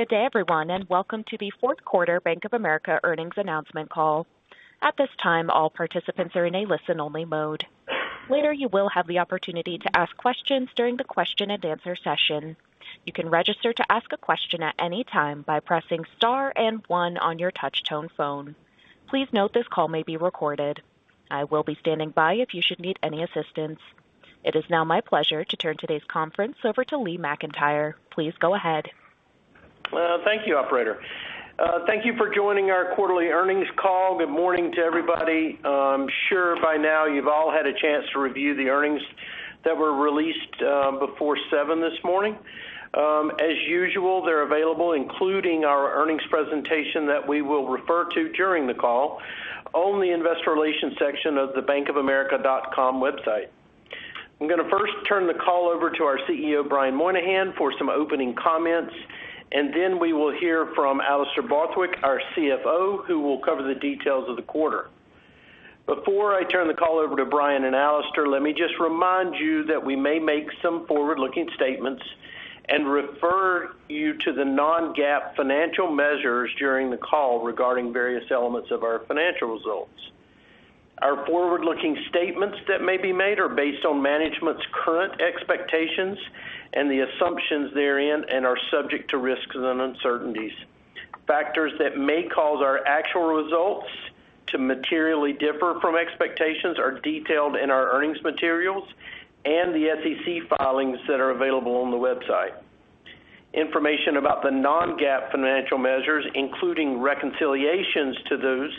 Good day, everyone, and welcome to the Q4 Bank of America earnings announcement call. At this time, all participants are in a listen-only mode. Later, you will have the opportunity to ask questions during the question-and-answer session. You can register to ask a question at any time by pressing star and one on your touchtone phone. Please note this call may be recorded. I will be standing by if you should need any assistance. It is now my pleasure to turn today's conference over to Lee McEntire. Please go ahead. Thank you, operator. Thank you for joining our quarterly earnings call. Good morning to everybody. I'm sure by now you've all had a chance to review the earnings that were released before seven this morning. As usual, they're available, including our earnings presentation that we will refer to during the call on the investor relations section of the bankofamerica.com website. I'm gonna first turn the call over to our CEO, Brian Moynihan, for some opening comments, and then we will hear from Alastair Borthwick, our CFO, who will cover the details of the quarter. Before I turn the call over to Brian and Alastair, let me just remind you that we may make some forward-looking statements and refer you to the non-GAAP financial measures during the call regarding various elements of our financial results. Our forward-looking statements that may be made are based on management's current expectations and the assumptions therein and are subject to risks and uncertainties. Factors that may cause our actual results to materially differ from expectations are detailed in our earnings materials and the SEC filings that are available on the website. Information about the non-GAAP financial measures, including reconciliations to those,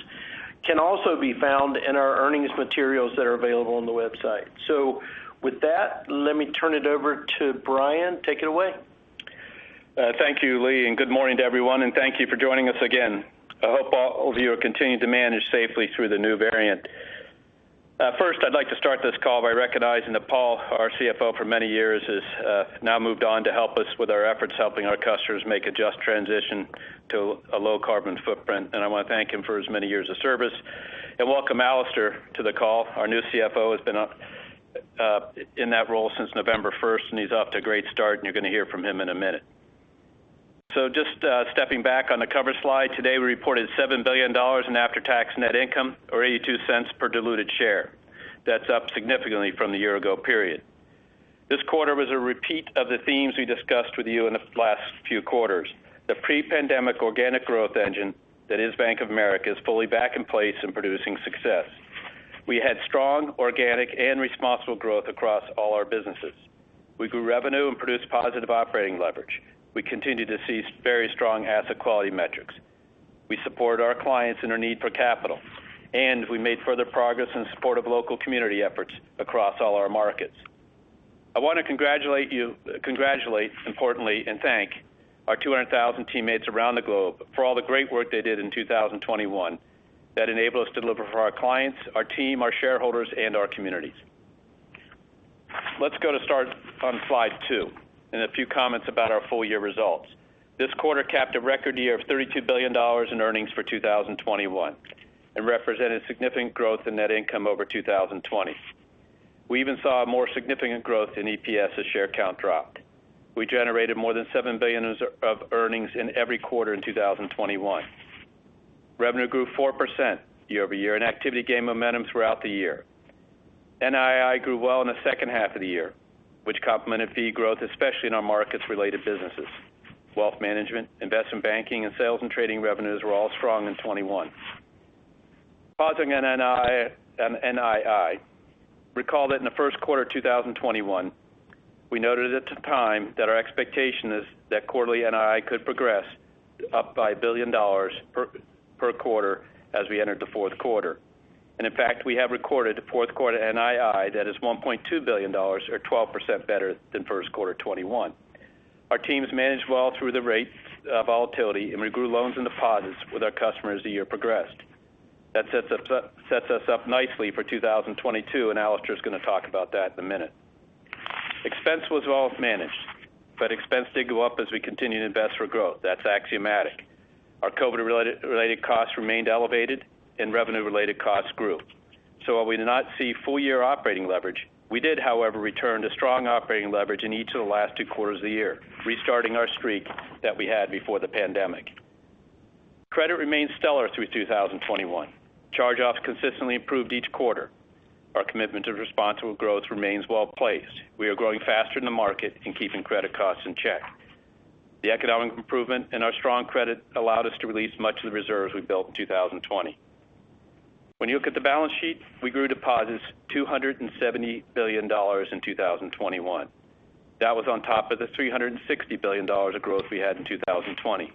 can also be found in our earnings materials that are available on the website. With that, let me turn it over to Brian. Take it away. Thank you, Lee, and good morning to everyone, and thank you for joining us again. I hope all of you are continuing to manage safely through the new variant. First, I'd like to start this call by recognizing that Paul, our CFO for many years, has now moved on to help us with our efforts helping our customers make a just transition to a low carbon footprint. I want to thank him for his many years of service and welcome Alastair to the call. Our new CFO has been in that role since November first, and he's off to a great start, and you're going to hear from him in a minute. Just stepping back on the cover slide, today we reported $7 billion in after-tax net income or $0.82 per diluted share. That's up significantly from the year ago period. This quarter was a repeat of the themes we discussed with you in the last few quarters. The pre-pandemic organic growth engine that is Bank of America is fully back in place and producing success. We had strong organic and responsible growth across all our businesses. We grew revenue and produced positive operating leverage. We continue to see very strong asset quality metrics. We support our clients and their need for capital, and we made further progress in support of local community efforts across all our markets. I want to congratulate importantly and thank our 200,000 teammates around the globe for all the great work they did in 2021 that enable us to deliver for our clients, our team, our shareholders, and our communities. Let's go to start on slide 2 and a few comments about our full year results. This quarter capped a record year of $32 billion in earnings for 2021 and represented significant growth in net income over 2020. We even saw a more significant growth in EPS as share count dropped. We generated more than $7 billion of earnings in every quarter in 2021. Revenue grew 4% year-over-year, and activity gained momentum throughout the year. NII grew well in the H2 of the year, which complemented fee growth, especially in our markets-related businesses. Wealth management, investment banking, and sales and trading revenues were all strong in 2021. On NII, recall that in the Q1 of 2021, we noted at the time that our expectation is that quarterly NII could progress up by $1 billion per quarter as we entered the Q4. In fact, we have recorded Q4 NII that is $1.2 billion or 12% better than Q1 2021. Our teams managed well through the rate volatility, and we grew loans and deposits with our customers as the year progressed. That sets us up nicely for 2022, and Alastair is going to talk about that in a minute. Expense was well managed, but expense did go up as we continue to invest for growth. That's axiomatic. Our COVID-related costs remained elevated, and revenue-related costs grew. While we did not see full-year operating leverage, we did, however, return to strong operating leverage in each of the last two quarters of the year, restarting our streak that we had before the pandemic. Credit remained stellar through 2021. Charge-offs consistently improved each quarter. Our commitment to responsible growth remains well-placed. We are growing faster in the market and keeping credit costs in check. The economic improvement and our strong credit allowed us to release much of the reserves we built in 2020. When you look at the balance sheet, we grew deposits $270 billion in 2021. That was on top of the $360 billion of growth we had in 2020.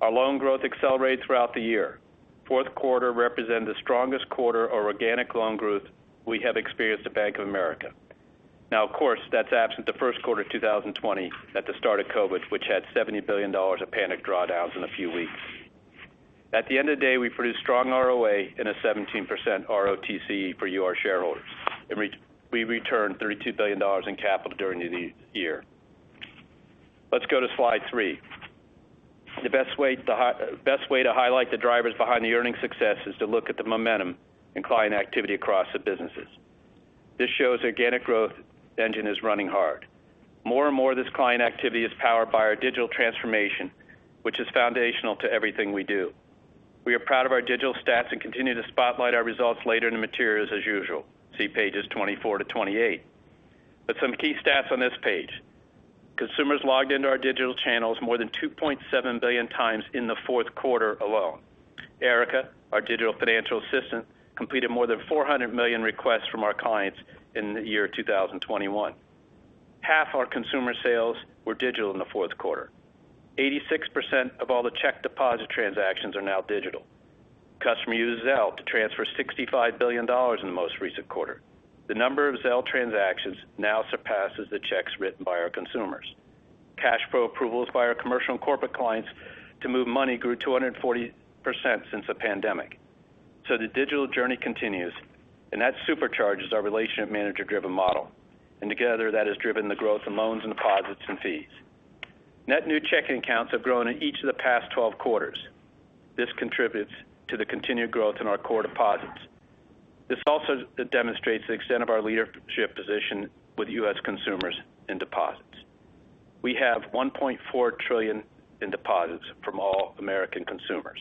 Our loan growth accelerated throughout the year. Q4 represented the strongest quarter of organic loan growth we have experienced at Bank of America. Now, of course, that's absent the Q1 of 2020 at the start of COVID, which had $70 billion of panicked drawdowns in a few weeks. At the end of the day, we produced strong ROA and a 17% ROTCE for you, our shareholders. We returned $32 billion in capital during the year. Let's go to slide 3. The best way to highlight the drivers behind the earnings success is to look at the momentum in client activity across the businesses. This shows organic growth engine is running hard. More and more, this client activity is powered by our digital transformation, which is foundational to everything we do. We are proud of our digital stats and continue to spotlight our results later in the materials as usual. See pages 24-28. Some key stats on this page. Consumers logged into our digital channels more than 2.7 billion times in the Q4 alone. Erica, our digital financial assistant, completed more than 400 million requests from our clients in the year 2021. Half our consumer sales were digital in the Q4. 86% of all the check deposit transactions are now digital. Customers used Zelle to transfer $65 billion in the most recent quarter. The number of Zelle transactions now surpasses the checks written by our consumers. Cash flow approvals by our commercial and corporate clients to move money grew 240% since the pandemic. The digital journey continues, and that supercharges our relationship manager-driven model. Together, that has driven the growth in loans and deposits and fees. Net new checking accounts have grown in each of the past 12 quarters. This contributes to the continued growth in our core deposits. This also demonstrates the extent of our leadership position with U.S. consumers in deposits. We have $1.4 trillion in deposits from all American consumers.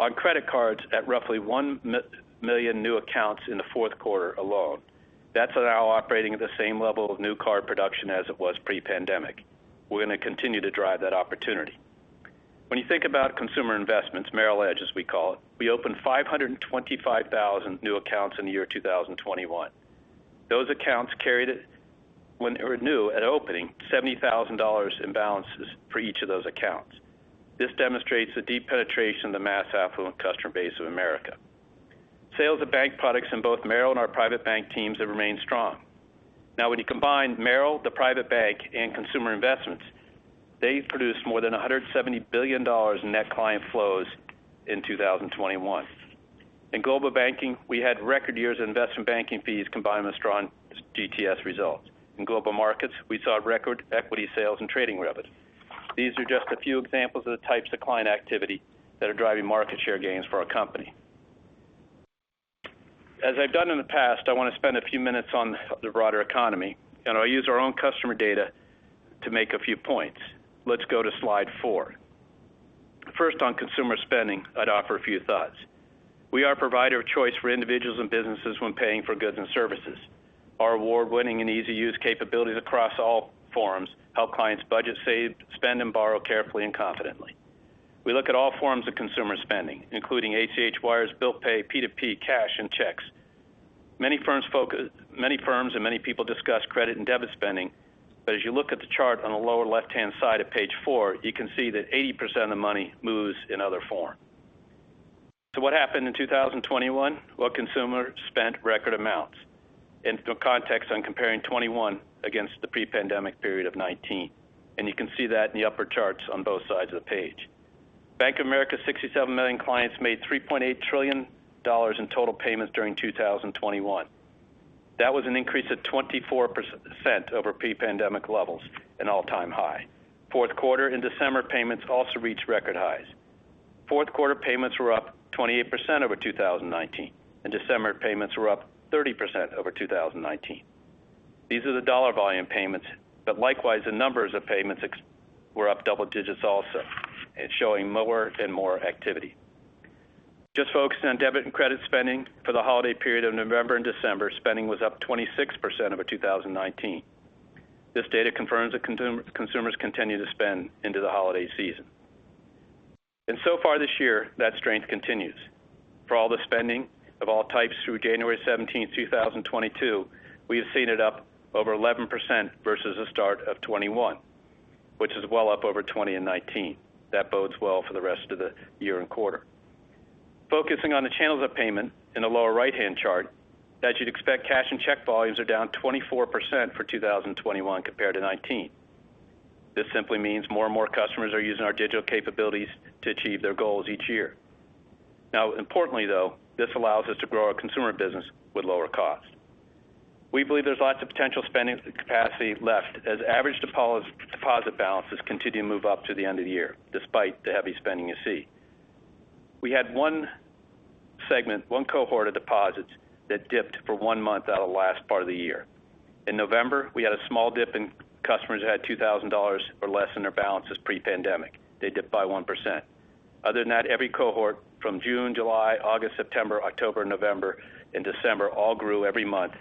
On credit cards, at roughly one million new accounts in the Q4 alone. That's now operating at the same level of new card production as it was pre-pandemic. We're going to continue to drive that opportunity. When you think about consumer investments, Merrill Edge, as we call it, we opened 525,000 new accounts in the year 2021. Those accounts carried it when they were new at opening $70,000 in balances for each of those accounts. This demonstrates the deep penetration of the mass affluent customer base of America. Sales of bank products in both Merrill and our private bank teams have remained strong. Now, when you combine Merrill, the private bank, and consumer investments, they've produced more than $170 billion in net client flows in 2021. In Global Banking, we had record years of investment banking fees combined with strong GTS results. In Global Markets, we saw record equity sales and trading revenue. These are just a few examples of the types of client activity that are driving market share gains for our company. As I've done in the past, I want to spend a few minutes on the broader economy, and I'll use our own customer data to make a few points. Let's go to slide 4. First, on consumer spending, I'd offer a few thoughts. We are a provider of choice for individuals and businesses when paying for goods and services. Our award-winning and easy use capabilities across all formats help clients budget, save, spend, and borrow carefully and confidently. We look at all forms of consumer spending, including ACH wires, bill pay, P2P, cash, and checks. Many firms and many people discuss credit and debit spending. As you look at the chart on the lower left-hand side of page 4, you can see that 80% of the money moves in other forms. What happened in 2021? Well, consumers spent record amounts in the context of comparing 2021 against the pre-pandemic period of 2019. You can see that in the upper charts on both sides of the page. Bank of America's 67 million clients made $3.8 trillion in total payments during 2021. That was an increase of 24% over pre-pandemic levels, an all-time high. Q4 and December payments also reached record highs. Q4 payments were up 28% over 2019, and December payments were up 30% over 2019. These are the dollar volume payments, but likewise, the numbers of payments were up double digits also. It's showing more and more activity. Just focusing on debit and credit spending for the holiday period of November and December, spending was up 26% over 2019. This data confirms that consumers continue to spend into the holiday season. So far this year, that strength continues. For all the spending of all types through January 17, 2022, we have seen it up over 11% versus the start of 2021, which is well up over 2020 and 2019. That bodes well for the rest of the year and quarter. Focusing on the channels of payment in the lower right-hand chart, as you'd expect, cash and check volumes are down 24% for 2021 compared to 2019. This simply means more and more customers are using our digital capabilities to achieve their goals each year. Now, importantly, though, this allows us to grow our consumer business with lower cost. We believe there's lots of potential spending capacity left as average deposit balances continue to move up to the end of the year, despite the heavy spending you see. We had one segment, one cohort of deposits that dipped for one month out of the last part of the year. In November, we had a small dip in customers that had $2,000 or less in their balances pre-pandemic. They dipped by 1%. Other than that, every cohort from June, July, August, September, October, November, and December all grew every month.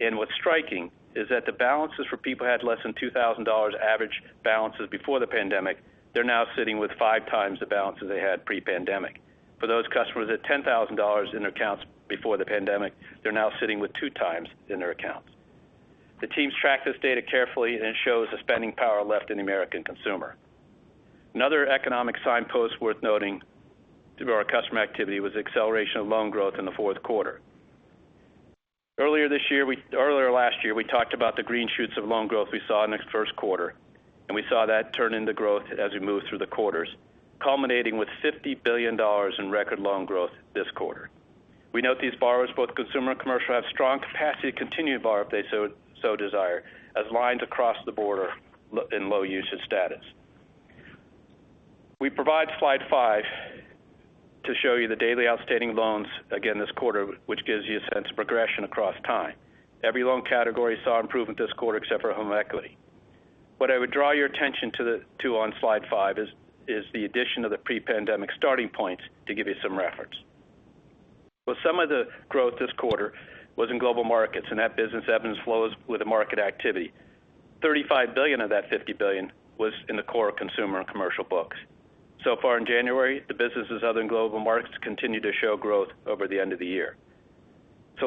What's striking is that the balances for people who had less than $2,000 average balances before the pandemic, they're now sitting with five times the balances they had pre-pandemic. For those customers at $10,000 in their accounts before the pandemic, they're now sitting with two times in their accounts. The teams track this data carefully, and it shows the spending power left in the American consumer. Another economic signpost worth noting through our customer activity was the acceleration of loan growth in the Q4. Earlier this year, earlier last year, we talked about the green shoots of loan growth we saw in the Q1, and we saw that turn into growth as we moved through the quarters, culminating with $50 billion in record loan growth this quarter. We note these borrowers, both consumer and commercial, have strong capacity to continue to borrow if they so desire as lines across the board in low usage status. We provide slide 5 to show you the daily outstanding loans again this quarter, which gives you a sense of progression across time. Every loan category saw improvement this quarter except for home equity. What I would draw your attention to on slide five is the addition of the pre-pandemic starting points to give you some reference. Well, some of the growth this quarter was in Global Markets, and that business ebbs and flows with the market activity. $35 billion of that $50 billion was in the core consumer and commercial books. So far in January, the businesses other than Global Markets continue to show growth over the end of the year.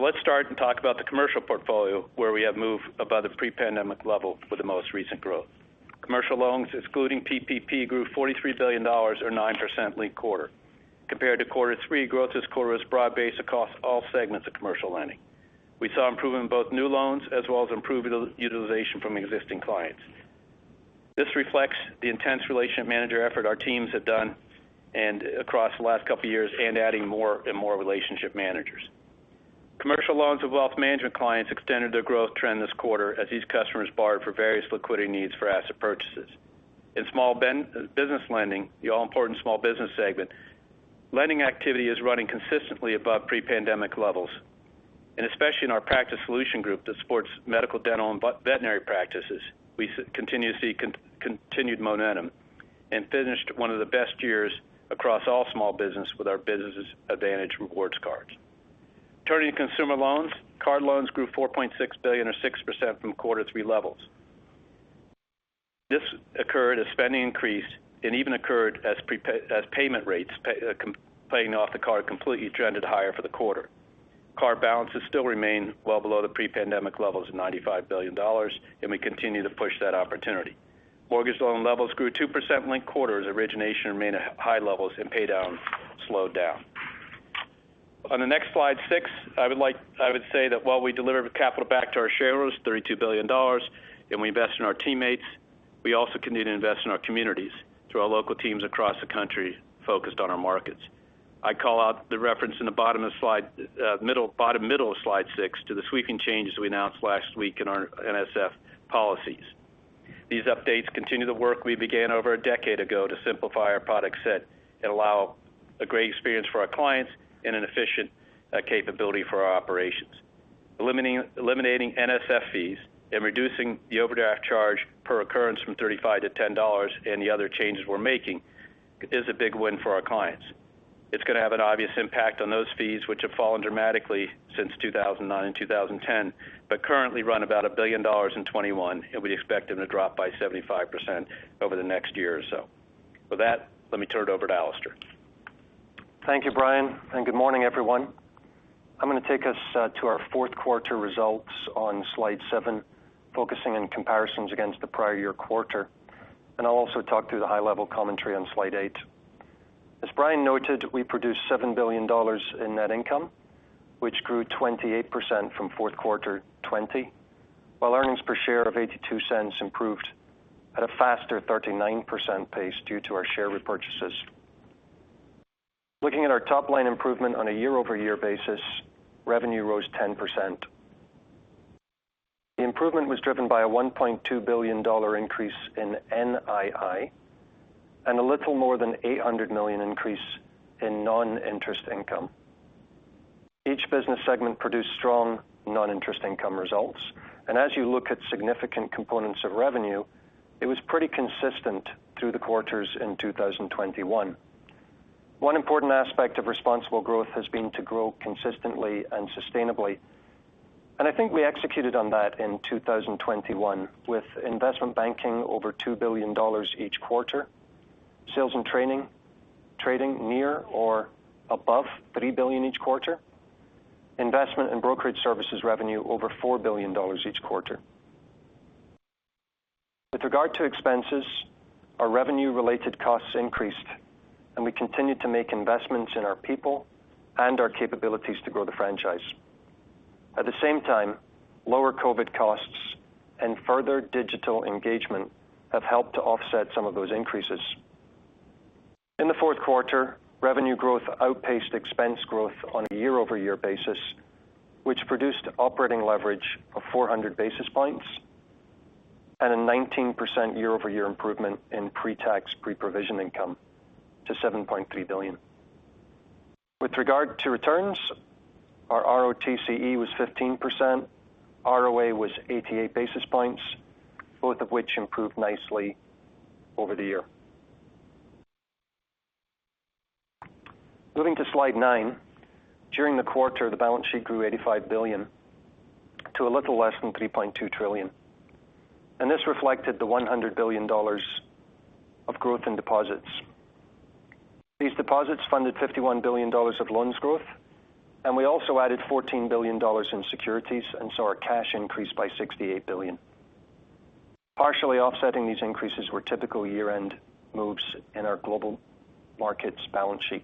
Let's start and talk about the commercial portfolio where we have moved above the pre-pandemic level with the most recent growth. Commercial loans excluding PPP grew $43 billion or 9% linked quarter. Compared to quarter three, growth this quarter is broad-based across all segments of commercial lending. We saw improvement in both new loans as well as improved utilization from existing clients. This reflects the intense relationship manager effort our teams have done across the last couple of years and adding more and more relationship managers. Commercial loans of wealth management clients extended their growth trend this quarter as these customers borrowed for various liquidity needs for asset purchases. In small business lending, the all-important small business segment, lending activity is running consistently above pre-pandemic levels. Especially in our Practice Solutions group that supports medical, dental, and veterinary practices, we continue to see continued momentum and finished one of the best years across all small business with our Business Advantage rewards cards. Turning to consumer loans, card loans grew $4.6 billion or 6% from quarter three levels. This occurred as spending increased and as payment rates paying off the card completely trended higher for the quarter. Card balances still remain well below the pre-pandemic levels of $95 billion, and we continue to push that opportunity. Mortgage loan levels grew 2% linked quarter as origination remained at high levels and pay down slowed down. On the next slide six, I would say that while we deliver capital back to our shareholders, $32 billion, and we invest in our teammates, we also continue to invest in our communities through our local teams across the country focused on our markets. I call out the reference in the bottom middle of slide six to the sweeping changes we announced last week in our NSF policies. These updates continue the work we began over a decade ago to simplify our product set and allow a great experience for our clients and an efficient capability for our operations. Eliminating NSF fees and reducing the overdraft charge per occurrence from $35 to $10 and the other changes we're making is a big win for our clients. It's gonna have an obvious impact on those fees which have fallen dramatically since 2009 and 2010, but currently run about $1 billion in 2021, and we expect them to drop by 75% over the next year or so. With that, let me turn it over to Alastair. Thank you, Brian, and good morning, everyone. I'm gonna take us to our Q4 results on slide 7, focusing on comparisons against the prior year quarter. I'll also talk through the high level commentary on slide 8. As Brian noted, we produced $7 billion in net income, which grew 28% from Q4 2020, while earnings per share of $0.82 improved at a faster 39% pace due to our share repurchases. Looking at our top line improvement on a year-over-year basis, revenue rose 10%. The improvement was driven by a $1.2 billion increase in NII and a little more than $800 million increase in non-interest income. Each business segment produced strong non-interest income results, and as you look at significant components of revenue, it was pretty consistent through the quarters in 2021. One important aspect of responsible growth has been to grow consistently and sustainably. I think we executed on that in 2021 with investment banking over $2 billion each quarter, sales and trading near or above $3 billion each quarter, investment and brokerage services revenue over $4 billion each quarter. With regard to expenses, our revenue-related costs increased, and we continued to make investments in our people and our capabilities to grow the franchise. At the same time, lower COVID costs and further digital engagement have helped to offset some of those increases. In the Q4, revenue growth outpaced expense growth on a year-over-year basis, which produced operating leverage of 400 basis points and a 19% year-over-year improvement in pre-tax, pre-provision income to $7.3 billion. With regard to returns, our ROTCE was 15%, ROA was 88 basis points, both of which improved nicely over the year. Moving to slide 9. During the quarter, the balance sheet grew $85 billion to a little less than $3.2 trillion, and this reflected the $100 billion of growth in deposits. These deposits funded $51 billion of loans growth, and we also added $14 billion in securities, and so our cash increased by $68 billion. Partially offsetting these increases were typical year-end moves in our Global Markets balance sheet.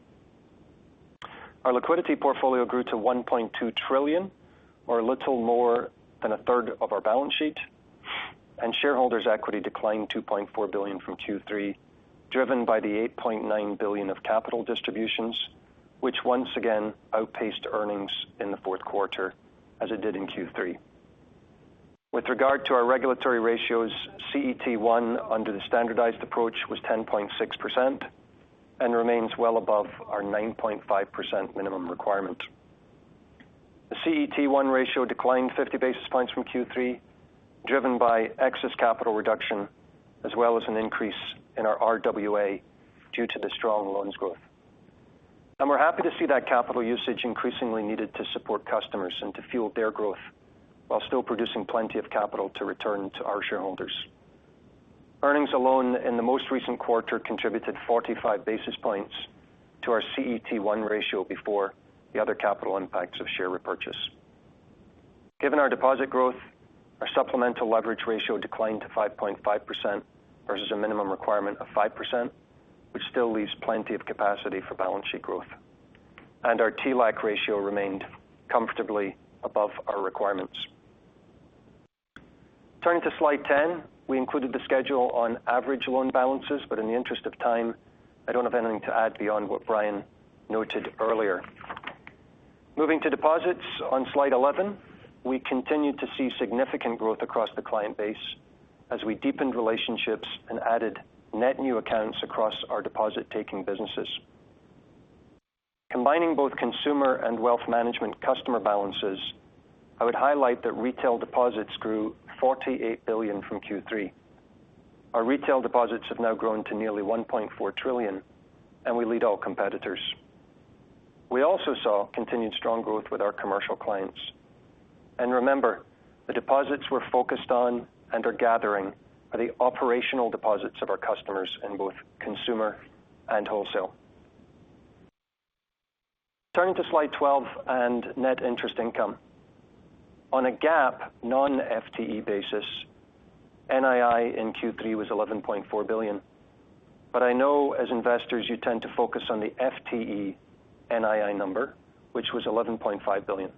Our liquidity portfolio grew to $1.2 trillion or a little more than a third of our balance sheet. Shareholders' equity declined $2.4 billion from Q3, driven by the $8.9 billion of capital distributions, which once again outpaced earnings in the Q4 as it did in Q3. With regard to our regulatory ratios, CET1 under the standardized approach was 10.6% and remains well above our 9.5% minimum requirement. The CET1 ratio declined 50 basis points from Q3, driven by excess capital reduction as well as an increase in our RWA due to the strong loans growth. We're happy to see that capital usage increasingly needed to support customers and to fuel their growth while still producing plenty of capital to return to our shareholders. Earnings alone in the most recent quarter contributed 45 basis points to our CET1 ratio before the other capital impacts of share repurchase. Given our deposit growth, our supplemental leverage ratio declined to 5.5% versus a minimum requirement of 5%, which still leaves plenty of capacity for balance sheet growth. Our TLAC ratio remained comfortably above our requirements. Turning to slide 10, we included the schedule on average loan balances, but in the interest of time, I don't have anything to add beyond what Brian noted earlier. Moving to deposits on slide 11, we continued to see significant growth across the client base as we deepened relationships and added net new accounts across our deposit-taking businesses. Combining both consumer and wealth management customer balances, I would highlight that retail deposits grew $48 billion from Q3. Our retail deposits have now grown to nearly $1.4 trillion and we lead all competitors. We also saw continued strong growth with our commercial clients. Remember, the deposits we're focused on and are gathering are the operational deposits of our customers in both consumer and wholesale. Turning to slide 12 and net interest income. On a GAAP non-FTE basis, NII in Q3 was $11.4 billion. I know as investors you tend to focus on the FTE NII number, which was $11.5 billion.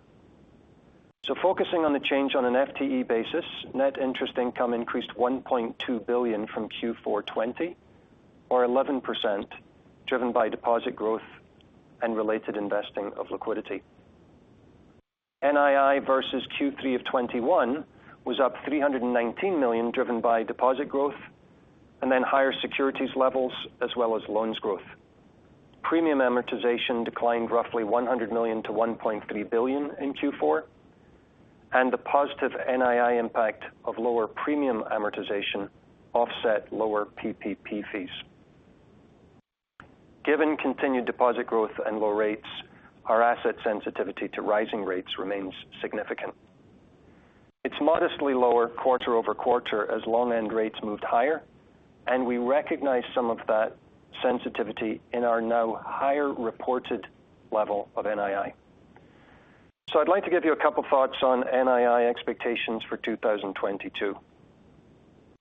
Focusing on the change on an FTE basis, net interest income increased $1.2 billion from Q4 2020 or 11% driven by deposit growth and related investing of liquidity. NII versus Q3 of 2021 was up $319 million driven by deposit growth and then higher securities levels as well as loans growth. Premium amortization declined roughly $100 million to $1.3 billion in Q4, and the positive NII impact of lower premium amortization offset lower PPP fees. Given continued deposit growth and low rates, our asset sensitivity to rising rates remains significant. It's modestly lower quarter-over-quarter as loan end rates moved higher, and we recognize some of that sensitivity in our now higher reported level of NII. I'd like to give you a couple thoughts on NII expectations for 2022.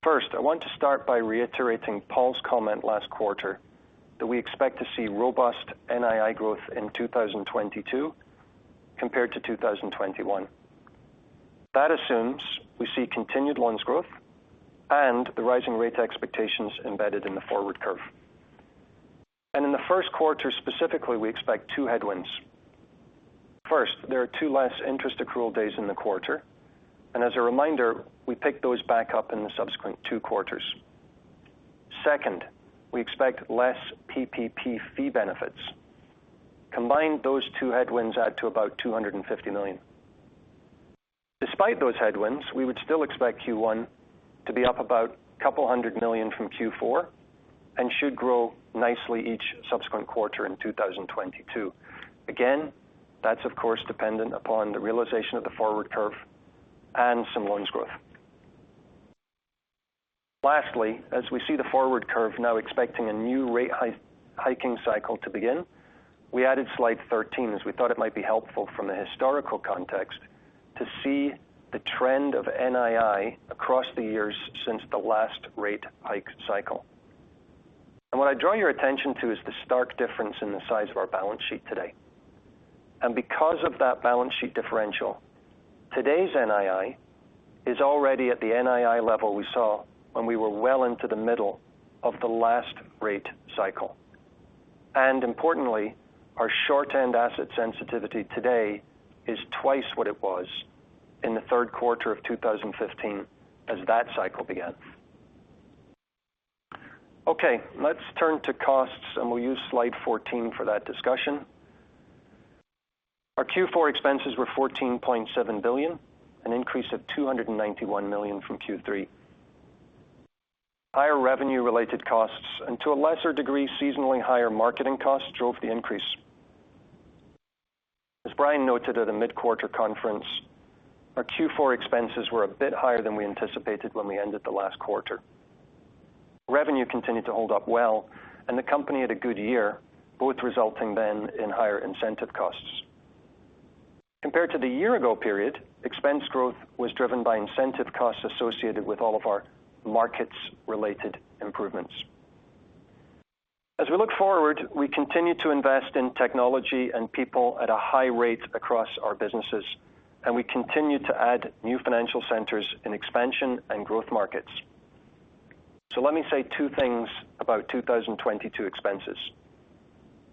First, I want to start by reiterating Paul's comment last quarter that we expect to see robust NII growth in 2022 compared to 2021. That assumes we see continued loans growth and the rising rate expectations embedded in the forward curve. In the Q1 specifically, we expect 2 headwinds. First, there are 2 less interest accrual days in the quarter, and as a reminder, we pick those back up in the subsequent 2 quarters. Second, we expect less PPP fee benefits. Combined, those 2 headwinds add to about $250 million. Despite those headwinds, we would still expect Q1 to be up about $200 million from Q4 and should grow nicely each subsequent quarter in 2022. Again, that's of course dependent upon the realization of the forward curve and some loans growth. Lastly, as we see the forward curve now expecting a new rate hiking cycle to begin, we added slide 13 as we thought it might be helpful from the historical context to see the trend of NII across the years since the last rate hike cycle. What I draw your attention to is the stark difference in the size of our balance sheet today. Because of that balance sheet differential, today's NII is already at the NII level we saw when we were well into the middle of the last rate cycle. Importantly, our short-end asset sensitivity today is twice what it was in the Q3 of 2015 as that cycle began. Okay, let's turn to costs, and we'll use slide 14 for that discussion. Our Q4 expenses were $14.7 billion, an increase of $291 million from Q3. Higher revenue-related costs and to a lesser degree, seasonally higher marketing costs drove the increase. As Brian noted at a mid-quarter conference, our Q4 expenses were a bit higher than we anticipated when we ended the last quarter. Revenue continued to hold up well and the company had a good year, both resulting then in higher incentive costs. Compared to the year ago period, expense growth was driven by incentive costs associated with all of our markets-related improvements. As we look forward, we continue to invest in technology and people at a high rate across our businesses, and we continue to add new financial centers in expansion and growth markets. Let me say two things about 2022 expenses.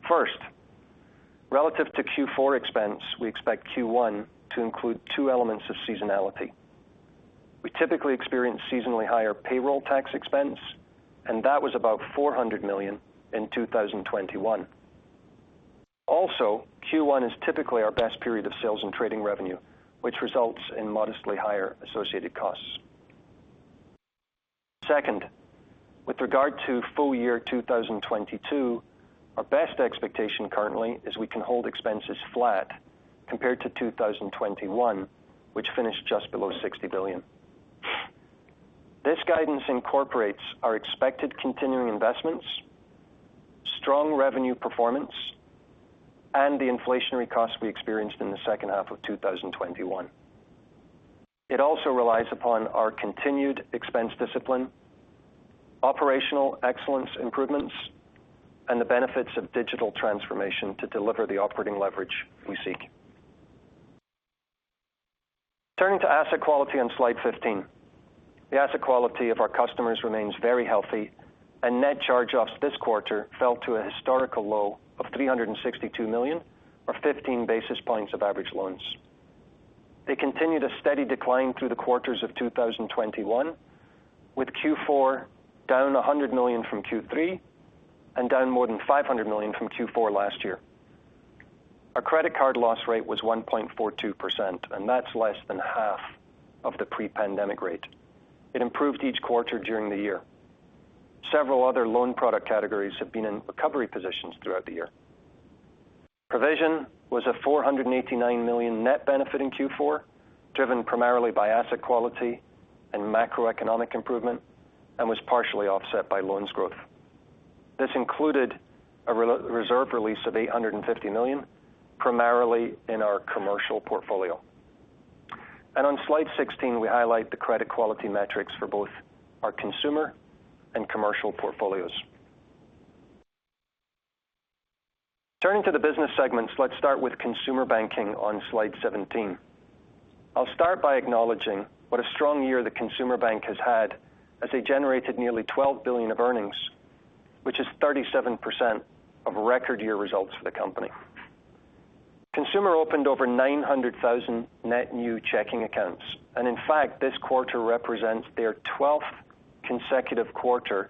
First, relative to Q4 expense, we expect Q1 to include two elements of seasonality. We typically experience seasonally higher payroll tax expense, and that was about $400 million in 2021. Also, Q1 is typically our best period of sales and trading revenue, which results in modestly higher associated costs. Second, with regard to full year 2022, our best expectation currently is we can hold expenses flat compared to 2021, which finished just below $60 billion. This guidance incorporates our expected continuing investments, strong revenue performance, and the inflationary costs we experienced in the H2 of 2021. It also relies upon our continued expense discipline, operational excellence improvements, and the benefits of digital transformation to deliver the operating leverage we seek. Turning to asset quality on slide 15. The asset quality of our customers remains very healthy, and net charge-offs this quarter fell to a historical low of $362 million or 15 basis points of average loans. They continued a steady decline through the quarters of 2021, with Q4 down $100 million from Q3 and down more than $500 million from Q4 last year. Our credit card loss rate was 1.42%, and that's less than half of the pre-pandemic rate. It improved each quarter during the year. Several other loan product categories have been in recovery positions throughout the year. Provision was a $489 million net benefit in Q4, driven primarily by asset quality and macroeconomic improvement, and was partially offset by loans growth. This included a re-reserve release of $850 million, primarily in our commercial portfolio. On slide 16, we highlight the credit quality metrics for both our consumer and commercial portfolios. Turning to the business segments. Let's start with Consumer Banking on slide 17. I'll start by acknowledging what a strong year the Consumer Bank has had as they generated nearly $12 billion of earnings, which is 37% of record year results for the company. Consumer opened over 900,000 net new checking accounts. In fact, this quarter represents their 12th consecutive quarter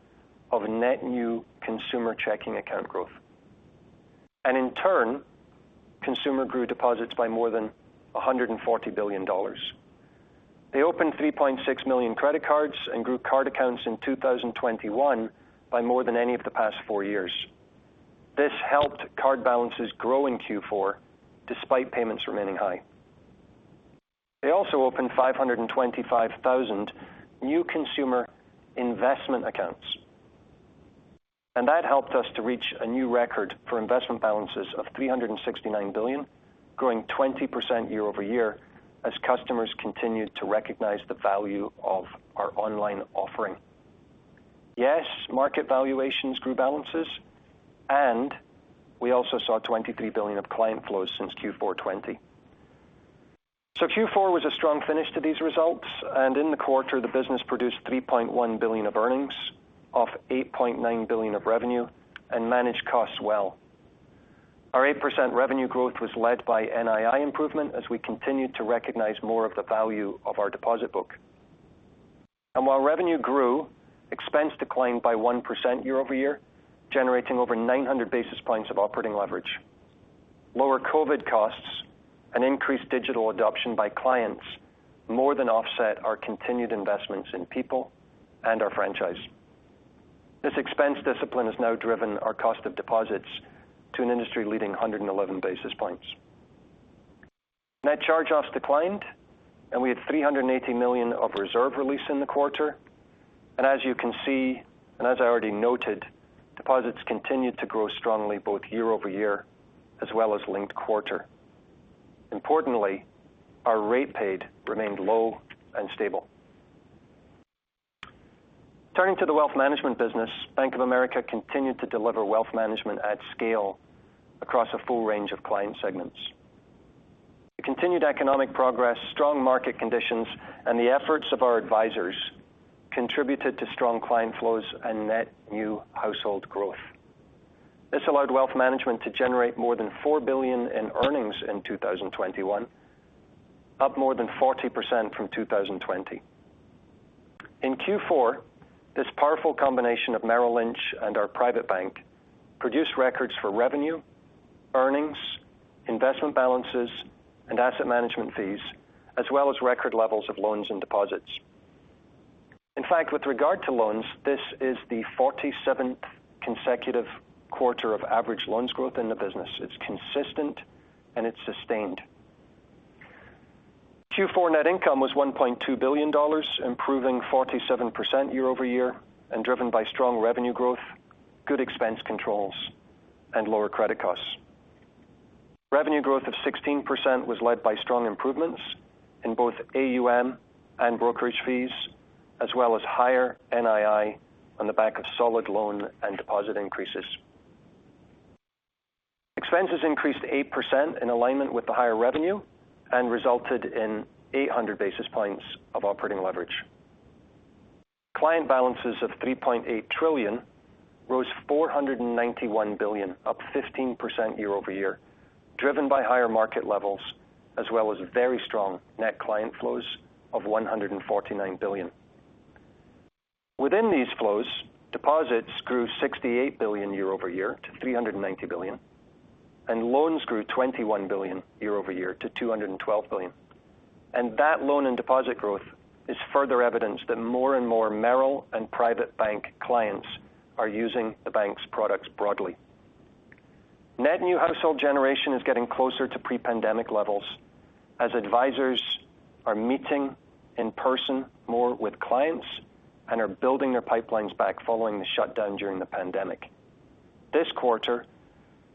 of net new consumer checking account growth. In turn, Consumer grew deposits by more than $140 billion. They opened 3.6 million credit cards and grew card accounts in 2021 by more than any of the past four years. This helped card balances grow in Q4 despite payments remaining high. They also opened 525,000 new consumer investment accounts, and that helped us to reach a new record for investment balances of $369 billion, growing 20% year-over-year as customers continued to recognize the value of our online offering. Yes, market valuations grew balances, and we also saw $23 billion of client flows since Q4 2020. Q4 was a strong finish to these results, and in the quarter the business produced $3.1 billion of earnings off $8.9 billion of revenue and managed costs well. Our 8% revenue growth was led by NII improvement as we continued to recognize more of the value of our deposit book. While revenue grew, expense declined by 1% year-over-year, generating over 900 basis points of operating leverage. Lower COVID costs and increased digital adoption by clients more than offset our continued investments in people and our franchise. This expense discipline has now driven our cost of deposits to an industry-leading 111 basis points. Net charge-offs declined, and we had $380 million of reserve release in the quarter. As you can see, and as I already noted, deposits continued to grow strongly both year-over-year as well as linked-quarter. Importantly, our rate paid remained low and stable. Turning to the wealth management business, Bank of America continued to deliver wealth management at scale across a full range of client segments. The continued economic progress, strong market conditions, and the efforts of our advisors contributed to strong client flows and net new household growth. This allowed Wealth Management to generate more than $4 billion in earnings in 2021, up more than 40% from 2020. In Q4, this powerful combination of Merrill Lynch and our Private Bank produced records for revenue, earnings, investment balances, and asset management fees, as well as record levels of loans and deposits. In fact, with regard to loans, this is the 47th consecutive quarter of average loans growth in the business. It's consistent and it's sustained. Q4 net income was $1.2 billion, improving 47% year-over-year and driven by strong revenue growth, good expense controls, and lower credit costs. Revenue growth of 16% was led by strong improvements in both AUM and brokerage fees, as well as higher NII on the back of solid loan and deposit increases. Expenses increased 8% in alignment with the higher revenue and resulted in 800 basis points of operating leverage. Client balances of $3.8 trillion rose $491 billion, up 15% year-over-year, driven by higher market levels as well as very strong net client flows of $149 billion. Within these flows, deposits grew $68 billion year-over-year to $390 billion, and loans grew $21 billion year-over-year to $212 billion. That loan and deposit growth is further evidence that more and more Merrill and Private Bank clients are using the bank's products broadly. Net new household generation is getting closer to pre-pandemic levels as advisors are meeting in person more with clients and are building their pipelines back following the shutdown during the pandemic. This quarter,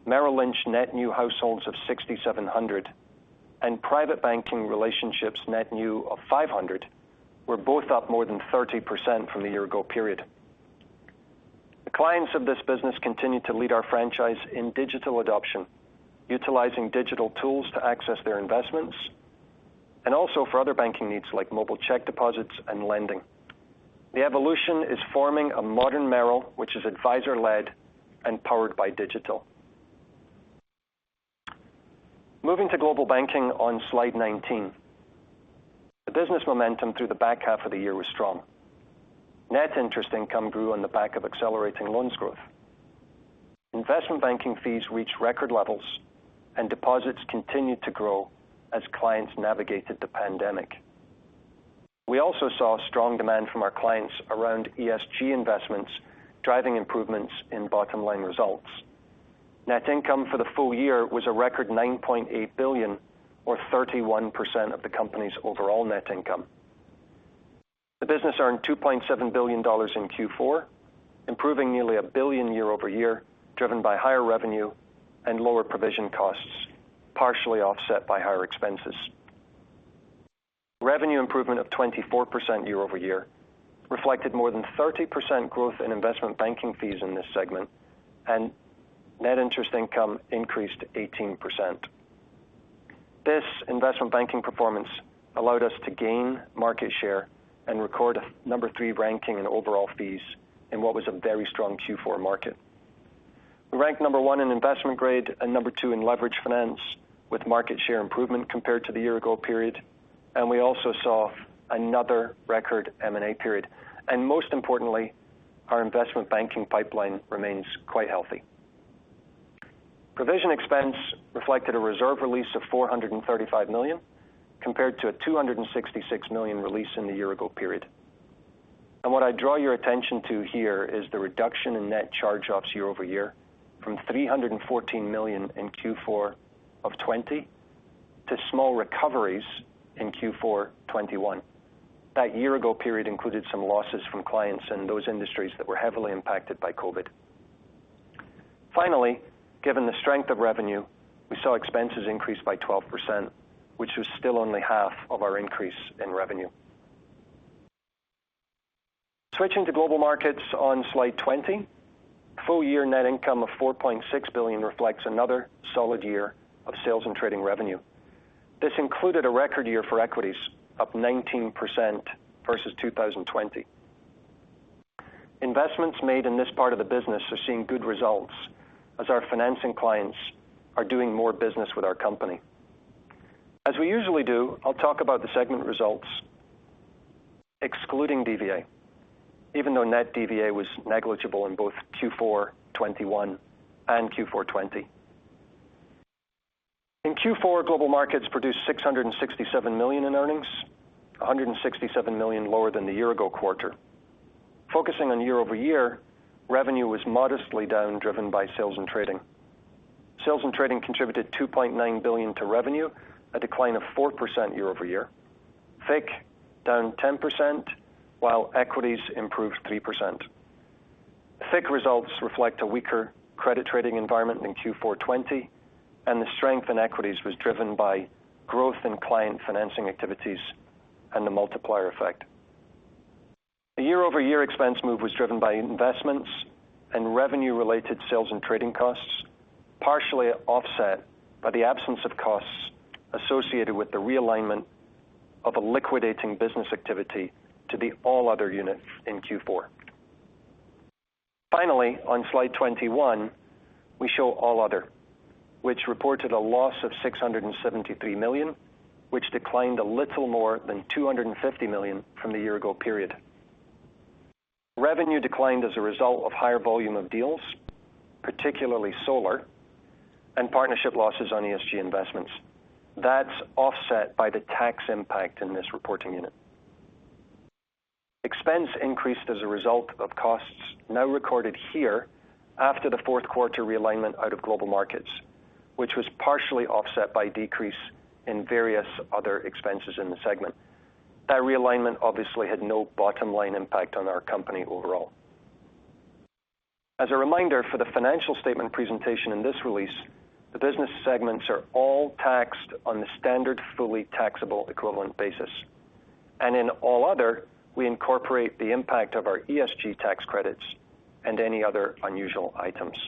Merrill Lynch net new households of 6,700 and private banking relationships net new of 500 were both up more than 30% from the year-ago period. The clients of this business continue to lead our franchise in digital adoption, utilizing digital tools to access their investments and also for other banking needs like mobile check deposits and lending. The evolution is forming a modern Merrill, which is advisor-led and powered by digital. Moving to Global Banking on slide 19. The business momentum through the back half of the year was strong. Net interest income grew on the back of accelerating loans growth. Investment banking fees reached record levels and deposits continued to grow as clients navigated the pandemic. We also saw strong demand from our clients around ESG investments, driving improvements in bottom-line results. Net income for the full year was a record $9.8 billion or 31% of the company's overall net income. The business earned $2.7 billion in Q4, improving nearly $1 billion year-over-year, driven by higher revenue and lower provision costs, partially offset by higher expenses. Revenue improvement of 24% year-over-year reflected more than 30% growth in investment banking fees in this segment, and net interest income increased 18%. This investment banking performance allowed us to gain market share and record a number 3 ranking in overall fees in what was a very strong Q4 market. We ranked number 1 in investment grade and number 2 in leverage finance with market share improvement compared to the year-ago period. We also saw another record M&A period. Most importantly, our investment banking pipeline remains quite healthy. Provision expense reflected a reserve release of $435 million, compared to a $266 million release in the year ago period. What I draw your attention to here is the reduction in net charge-offs year-over-year from $314 million in Q4 of 2020 to small recoveries in Q4 2021. That year ago period included some losses from clients in those industries that were heavily impacted by COVID. Finally, given the strength of revenue, we saw expenses increase by 12%, which was still only half of our increase in revenue. Switching to Global Markets on slide 20. Full year net income of $4.6 billion reflects another solid year of sales and trading revenue. This included a record year for equities, up 19% versus 2020. Investments made in this part of the business are seeing good results as our financing clients are doing more business with our company. As we usually do, I'll talk about the segment results excluding DVA, even though net DVA was negligible in both Q4 2021 and Q4 2020. In Q4, Global Markets produced $667 million in earnings, $167 million lower than the year ago quarter. Focusing on year-over-year, revenue was modestly down, driven by sales and trading. Sales and trading contributed $2.9 billion to revenue, a decline of 4% year-over-year. FICC down 10%, while equities improved 3%. FICC results reflect a weaker credit trading environment in Q4 2020, and the strength in equities was driven by growth in client financing activities and the multiplier effect. The year-over-year expense move was driven by investments and revenue-related sales and trading costs, partially offset by the absence of costs associated with the realignment of a liquidating business activity to the All Other units in Q4. Finally, on slide 21, we show All Other, which reported a loss of $673 million, which declined a little more than $250 million from the year-ago period. Revenue declined as a result of higher volume of deals, particularly solar, and partnership losses on ESG investments. That's offset by the tax impact in this reporting unit. Expense increased as a result of costs now recorded here after the Q4 realignment out of Global Markets, which was partially offset by decrease in various other expenses in the segment. That realignment obviously had no bottom-line impact on our company overall. As a reminder for the financial statement presentation in this release, the business segments are all taxed on the standard fully taxable equivalent basis. In all other, we incorporate the impact of our ESG tax credits and any other unusual items.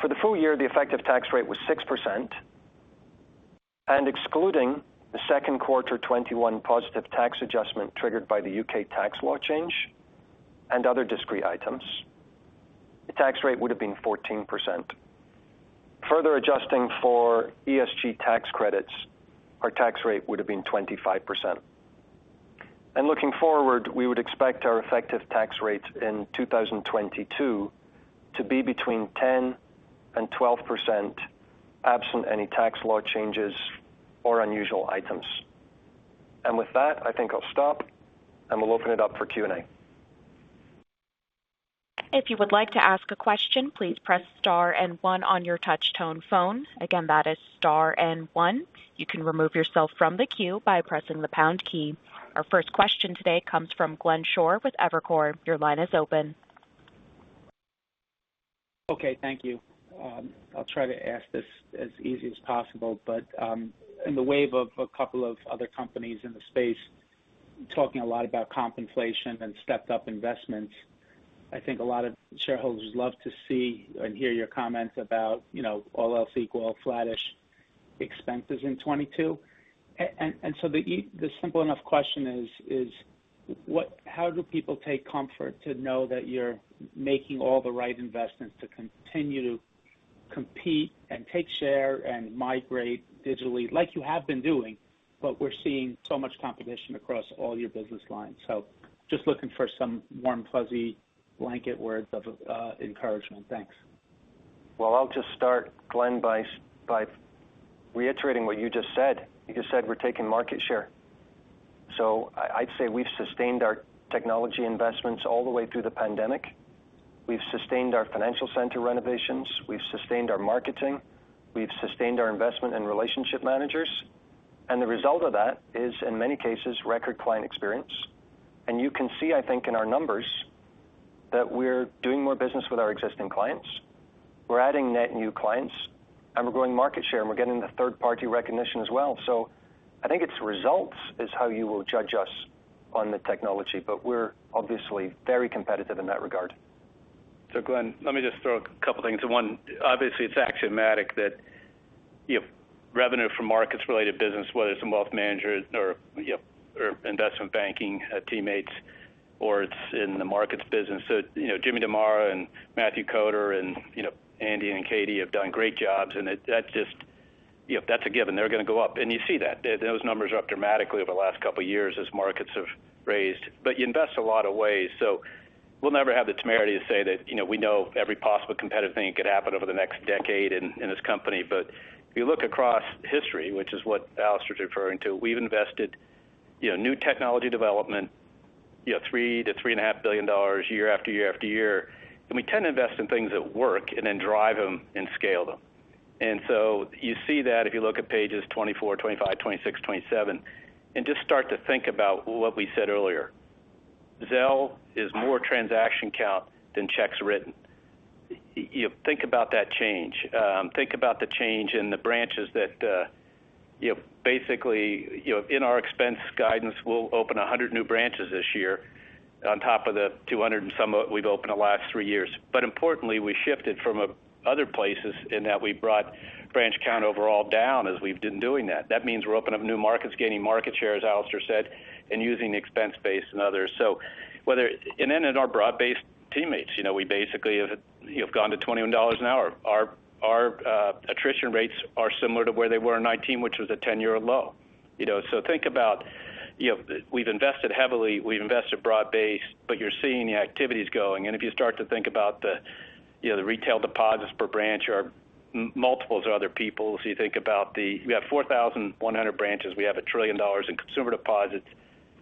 For the full year, the effective tax rate was 6%. Excluding the Q2 2021 positive tax adjustment triggered by the U.K. tax law change and other discrete items, the tax rate would have been 14%. Further adjusting for ESG tax credits, our tax rate would have been 25%. Looking forward, we would expect our effective tax rates in 2022 to be between 10% and 12% absent any tax law changes or unusual items. With that, I think I'll stop, and we'll open it up for Q&A. If you would like to ask a question, please press star and one on your touch tone phone. Again, that is star and one. You can remove yourself from the queue by pressing the pound key. Our first question today comes from Glenn Schorr with Evercore. Your line is open. Okay. Thank you. I'll try to ask this as easy as possible. In the wave of a couple of other companies in the space talking a lot about compensation and stepped up investments, I think a lot of shareholders love to see and hear your comments about all else equal flattish expenses in 2022. And so the simple enough question is, how do people take comfort to know that you're making all the right investments to continue to compete and take share and migrate digitally like you have been doing, but we're seeing so much competition across all your business lines? Just looking for some warm, fuzzy blanket words of encouragement. Thanks. Well, I'll just start, Glenn, by reiterating what you just said. You just said we're taking market share. I'd say we've sustained our technology investments all the way through the pandemic. We've sustained our financial center renovations. We've sustained our marketing. We've sustained our investment in relationship managers. The result of that is, in many cases, record client experience. You can see, I think, in our numbers that we're doing more business with our existing clients. We're adding net new clients, and we're growing market share, and we're getting the third-party recognition as well. I think it's results is how you will judge us on the technology, but we're obviously very competitive in that regard. Glenn, let me just throw a couple things. One, obviously it's axiomatic that revenue from markets related business, whether it's in wealth managers or or investment banking teammates, or it's in the markets business. You know, Jim DeMare and Matthew Koder and Andy and Katie have done great jobs, and that's just that's a given. They're going to go up. You see that. Those numbers are up dramatically over the last couple of years as markets have rallied. But you invest a lot of ways. We'll never have the temerity to say that we know every possible competitive thing could happen over the next decade in this company. If you look across history, which is what Alastair is referring to, we've invested new technology development $3 billion-$3.5 billion year after year after year. We tend to invest in things that work and then drive them and scale them. You see that if you look at pages 24, 25, 26, 27, and just start to think about what we said earlier. Zelle is more transaction count than checks written. You know, think about that change. Think about the change in the branches that basically in our expense guidance, we'll open 100 new branches this year on top of the 200 and some we've opened the last three years. Importantly, we shifted from other places in that we brought branch count overall down as we've been doing that. That means we're opening up new markets, gaining market share, as Alastair said, and using the expense base and others. And then in our broad-based team raises we basically have gone to $21 an hour. Our attrition rates are similar to where they were in 2019, which was a ten-year low. You know, so think about we've invested heavily, we've invested broad-based, but you're seeing the activities going. And if you start to think about the the retail deposits per branch are multiples of other people. We have 4,100 branches. We have $1 trillion in consumer deposits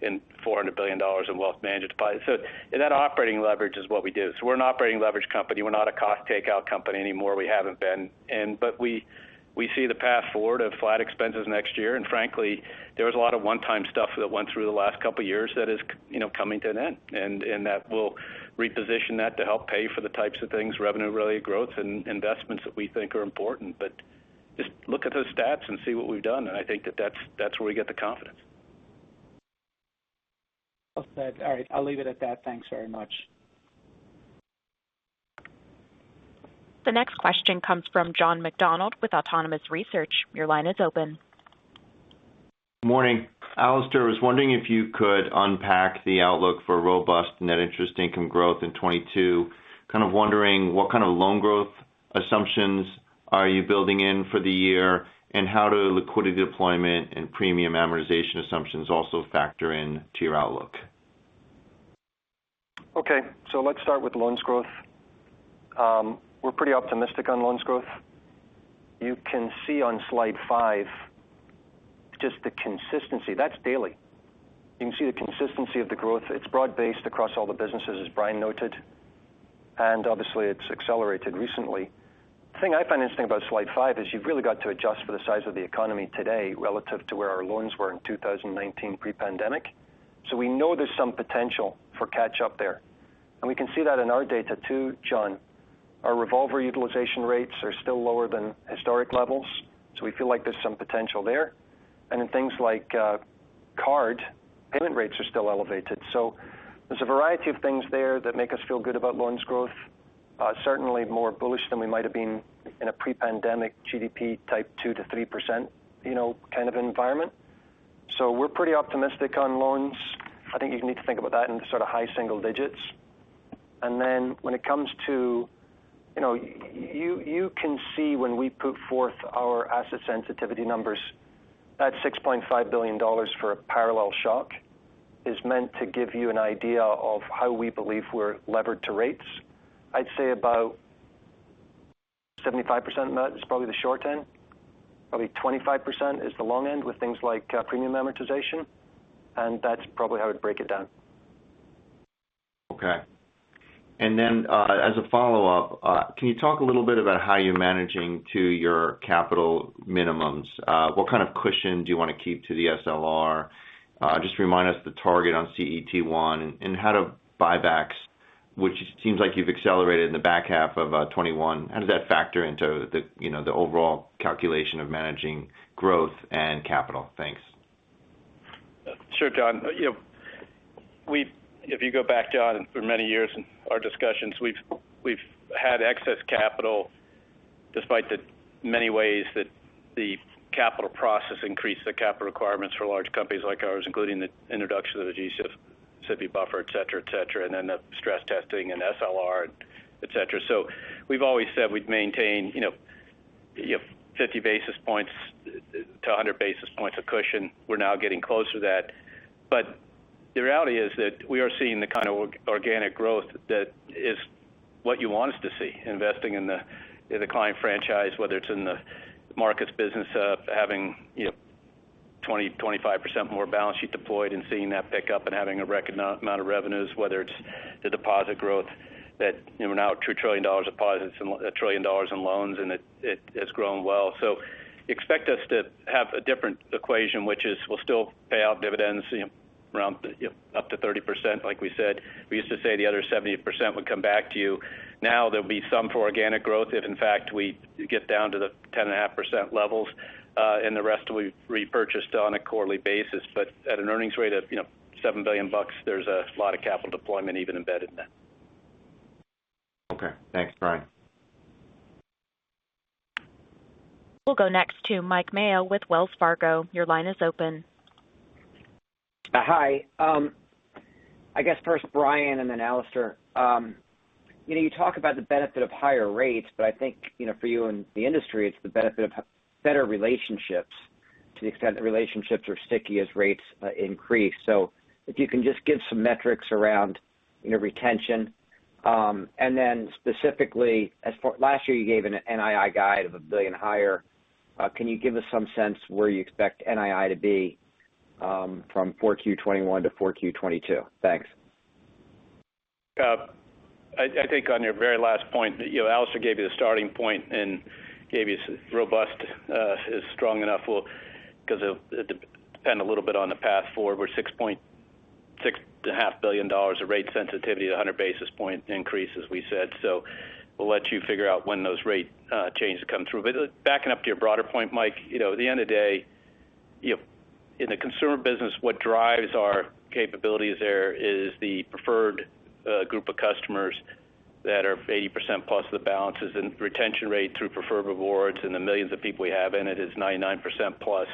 and $400 billion in wealth management deposits. That operating leverage is what we do. We're an operating leverage company. We're not a cost takeout company anymore. We haven't been. We see the path forward of flat expenses next year. Frankly, there was a lot of one-time stuff that went through the last couple of years that is you know, coming to an end, and that we'll reposition that to help pay for the types of things, revenue-related growth and investments that we think are important. Just look at those stats and see what we've done. I think that that's where we get the confidence. Well said. All right. I'll leave it at that. Thanks very much. The next question comes from John McDonald with Truist Securities. Your line is open. Morning. Alastair, I was wondering if you could unpack the outlook for robust net interest income growth in 2022. Kind of wondering what kind of loan growth assumptions are you building in for the year, and how do liquidity deployment and premium amortization assumptions also factor in to your outlook? Okay. Let's start with loan growth. We're pretty optimistic on loan growth. You can see on slide 5 just the consistency. That's daily. You can see the consistency of the growth. It's broad-based across all the businesses, as Brian noted, and obviously it's accelerated recently. The thing I find interesting about slide five is you've really got to adjust for the size of the economy today relative to where our loans were in 2019 pre-pandemic. We know there's some potential for catch up there. We can see that in our data too, John. Our revolver utilization rates are still lower than historic levels, so we feel like there's some potential there. In things like card payment rates are still elevated. There's a variety of things there that make us feel good about loans growth, certainly more bullish than we might have been in a pre-pandemic GDP type 2%-3% kind of environment. We're pretty optimistic on loans. I think you need to think about that in sort of high single digits. Then when it comes to you can see when we put forth our asset sensitivity numbers, that $6.5 billion for a parallel shock is meant to give you an idea of how we believe we're levered to rates. I'd say about 75% of that is probably the short end, probably 25% is the long end with things like premium amortization. That's probably how I'd break it down. Okay. As a follow-up, can you talk a little bit about how you're managing to your capital minimums? What kind of cushion do you want to keep to the SLR? Just remind us the target on CET1 and how do buybacks, which seems like you've accelerated in the back half of 2021. How does that factor into the the overall calculation of managing growth and capital? Thanks. Sure, John. You know, if you go back, John, for many years in our discussions, we've had excess capital despite the many ways that the capital process increased the capital requirements for large companies like ours, including the introduction of the GSIB, SIB buffer, et cetera, et cetera, and then the stress testing and SLR, et cetera. We've always said we'd maintain you have 50 basis points to 100 basis points of cushion. We're now getting close to that. The reality is that we are seeing the kind of organic growth that is what you want us to see, investing in the, in the client franchise, whether it's in the markets business of having 20-25% more balance sheet deployed and seeing that pick up and having a record amount of revenues, whether it's the deposit growth that we're now at $2 trillion of deposits and $1 trillion in loans, and it has grown well. Expect us to have a different equation, which is we'll still pay out dividends around up to 30%, like we said. We used to say the other 70% would come back to you. Now there'll be some for organic growth if in fact we get down to the 10.5% levels, and the rest will be repurchased on a quarterly basis. At an earnings rate of $7 billion, there's a lot of capital deployment even embedded in that. Okay. Thanks, Brian. We'll go next to Mike Mayo with Wells Fargo. Your line is open. Hi. I guess first Brian and then Alastair. You know, you talk about the benefit of higher rates, but I think for you in the industry, it's the benefit of better relationships to the extent that relationships are sticky as rates increase. If you can just give some metrics around retention. Then specifically, as for last year, you gave an NII guide of $1 billion higher. Can you give us some sense where you expect NII to be, from 4Q 2021 to 4Q 2022? Thanks. I think on your very last point Alastair gave you the starting point and so robust is strong enough. Because it'll depend a little bit on the path forward. We're $6.5 billion of rate sensitivity to 100 basis points increase, as we said. We'll let you figure out when those rate changes come through. Backing up to your broader point, mike at the end of the day in the consumer business, what drives our capabilities there is the preferred group of customers that are 80% plus of the balances and retention rate through Preferred Rewards, and the millions of people we have in it is 99% plus.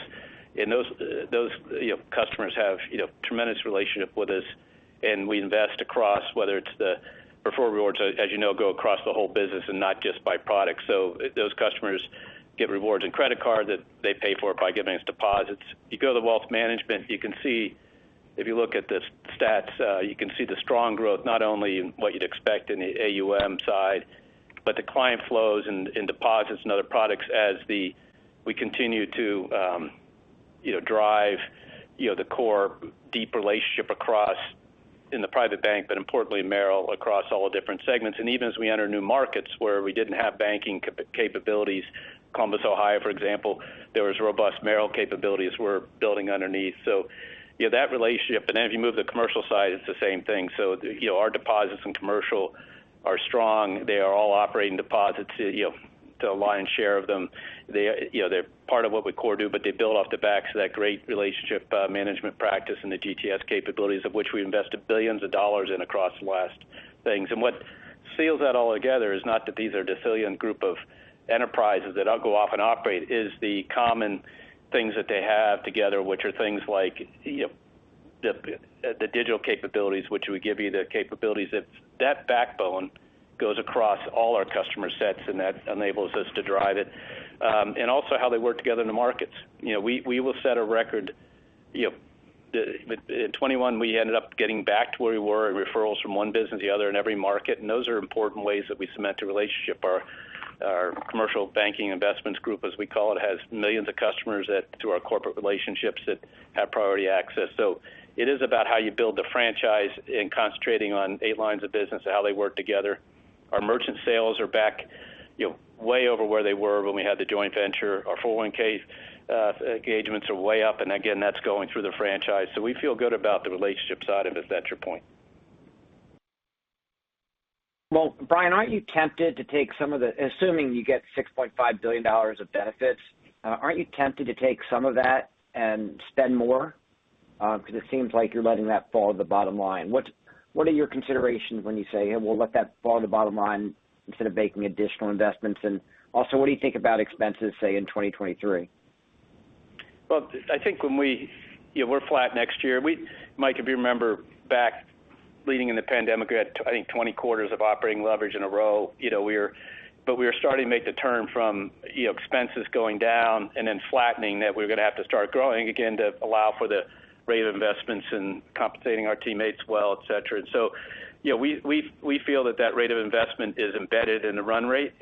Those you know customers have you know tremendous relationship with us, and we invest across whether it's the Preferred Rewards, as you know, go across the whole business and not just by product. Those customers get rewards and credit card that they pay for by giving us deposits. You go to the wealth management, you can see if you look at the stats, you can see the strong growth, not only in what you'd expect in the AUM side, but the client flows in deposits and other products as we continue to you know drive you know the core deep relationship across in the private bank, but importantly, Merrill across all the different segments. Even as we enter new markets where we didn't have banking capabilities, Columbus, Ohio, for example, there was robust Merrill capabilities we're building underneath. You know, that relationship. If you move the commercial side, it's the same thing. You know, our deposits in commercial are strong. They are all operating deposits the lion's share of them. they they're part of what we core do, but they build off the backs of that great relationship, management practice and the GTS capabilities of which we invested $ billions in across the last things. What seals that all together is not that these are decillion group of enterprises that all go off and operate. It is the common things that they have together, which are things like the digital capabilities, which would give you the capabilities. If that backbone goes across all our customer sets, and that enables us to drive it. Also how they work together in the markets. You know, we will set a record. You know, in 2021, we ended up getting back to where we were in referrals from one business to the other in every market. Those are important ways that we cement the relationship. Our commercial banking investments group, as we call it, has millions of customers that through our corporate relationships have priority access. So it is about how you build the franchise in concentrating on 8 lines of business and how they work together. Our merchant sales are back. You know, way over where they were when we had the joint venture. Our 401 engagements are way up. Again, that's going through the franchise. So we feel good about the relationship side of it. Is that your point? Well, Brian, aren't you tempted to take some assuming you get $6.5 billion of benefits, aren't you tempted to take some of that and spend more? Because it seems like you're letting that fall to the bottom line. What are your considerations when you say, "Yeah, we'll let that fall to the bottom line instead of making additional investments?" Also, what do you think about expenses, say, in 2023? Well, I think you know, we're flat next year. Mike, if you remember back leading in the pandemic, we had, I think, 20 quarters of operating leverage in a row. You know, but we were starting to make the turn from expenses going down and then flattening that we were going to have to start growing again to allow for the rate of investments and compensating our teammates well, et cetera. You know, we feel that that rate of investment is embedded in the run rate.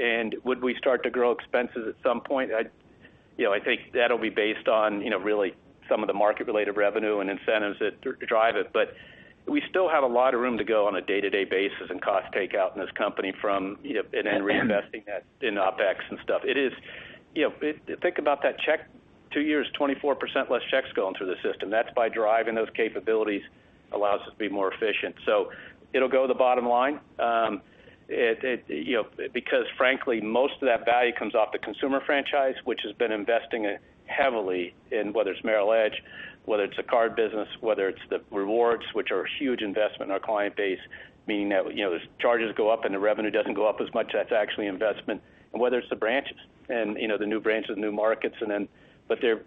Would we start to grow expenses at some point? You know, I think that'll be based on really some of the market-related revenue and incentives that drive it. We still have a lot of room to go on a day-to-day basis and cost takeout in this company from and then reinvesting that in OpEx and stuff. It is think about that check. Two years, 24% less checks going through the system. That's by driving those capabilities allows us to be more efficient. So it'll go to the bottom line. it because frankly, most of that value comes off the consumer franchise, which has been investing heavily in whether it's Merrill Edge, whether it's the card business. Whether it's the rewards, which are a huge investment in our client base, meaning that as charges go up and the revenue doesn't go up as much, that's actually investment. Whether it's the branches and the new branches, new markets, and then. they're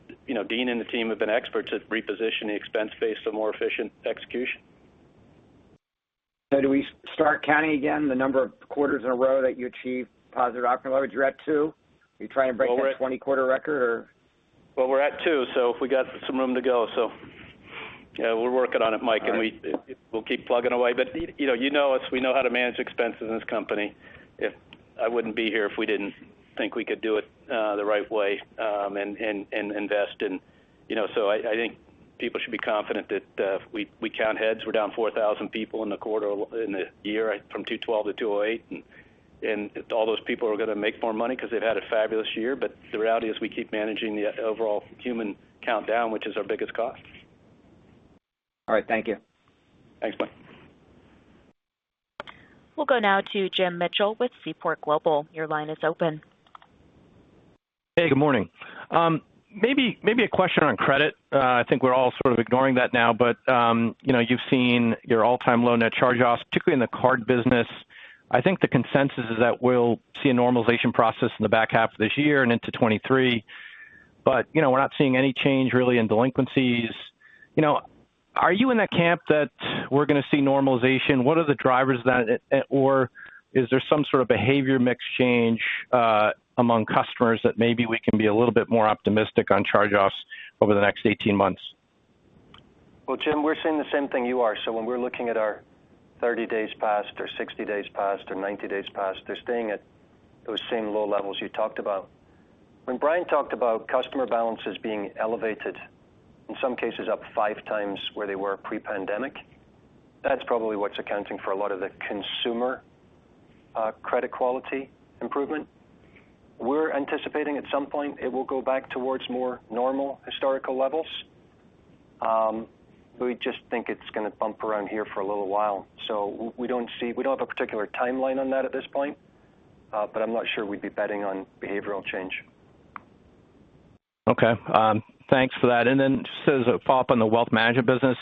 Dean and the team have been experts at repositioning expense base to more efficient execution. Do we start counting again the number of quarters in a row that you achieve positive operating leverage? You're at 2. Are you trying to break that 20-quarter record or? Well, we're at two, so we got some room to go. Yeah, we're working on it, Mike. All right. We'll keep plugging away. You know us. We know how to manage expenses in this company. If I wouldn't be here if we didn't think we could do it the right way and invest. You know, I think people should be confident that we count heads. We're down 4,000 people in the year from 212 to 208. All those people are gonna make more money because they've had a fabulous year. The reality is we keep managing the overall human count down, which is our biggest cost. All right. Thank you. Thanks, Mike. We'll go now to Jim Mitchell with Seaport Global. Your line is open. Hey, good morning. Maybe a question on credit. I think we're all sort of ignoring that now, but you know, you've seen your all-time low net charge-offs, particularly in the card business. I think the consensus is that we'll see a normalization process in the back half of this year and into 2023. You know, we're not seeing any change really in delinquencies. You know, are you in that camp that we're gonna see normalization? What are the drivers or is there some sort of behavior mix change among customers that maybe we can be a little bit more optimistic on charge-offs over the next 18 months? Well, Jim, we're seeing the same thing you are. When we're looking at our 30 days past or 60 days past or 90 days past, they're staying at those same low levels you talked about. When Brian talked about customer balances being elevated, in some cases up 5 times where they were pre-pandemic, that's probably what's accounting for a lot of the consumer credit quality improvement. We're anticipating at some point it will go back towards more normal historical levels. We just think it's gonna bump around here for a little while. We don't have a particular timeline on that at this point, but I'm not sure we'd be betting on behavioral change. Okay. Thanks for that. Just as a follow-up on the wealth management business.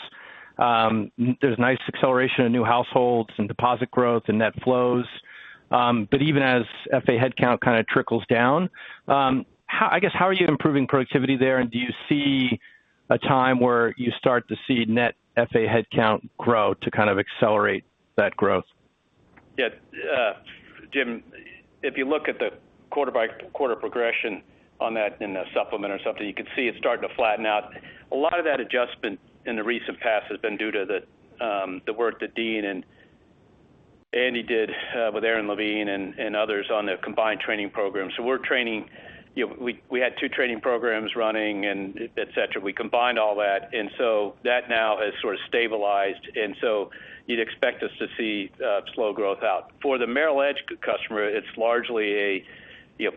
There's nice acceleration in new households and deposit growth and net flows. Even as FA headcount kind of trickles down, how, I guess, are you improving productivity there? Do you see a time where you start to see net FA headcount grow to kind of accelerate that growth? Yeah. Jim, if you look at the quarter by quarter progression on that in the supplement or something, you can see it's starting to flatten out. A lot of that adjustment in the recent past has been due to the work that Dean and Andy did with Aron Levine and others on the combined training program. We're training we had two training programs running and et cetera. We combined all that, and so that now has sort of stabilized. You'd expect us to see slow growth out. For the Merrill Edge customer, it's largely a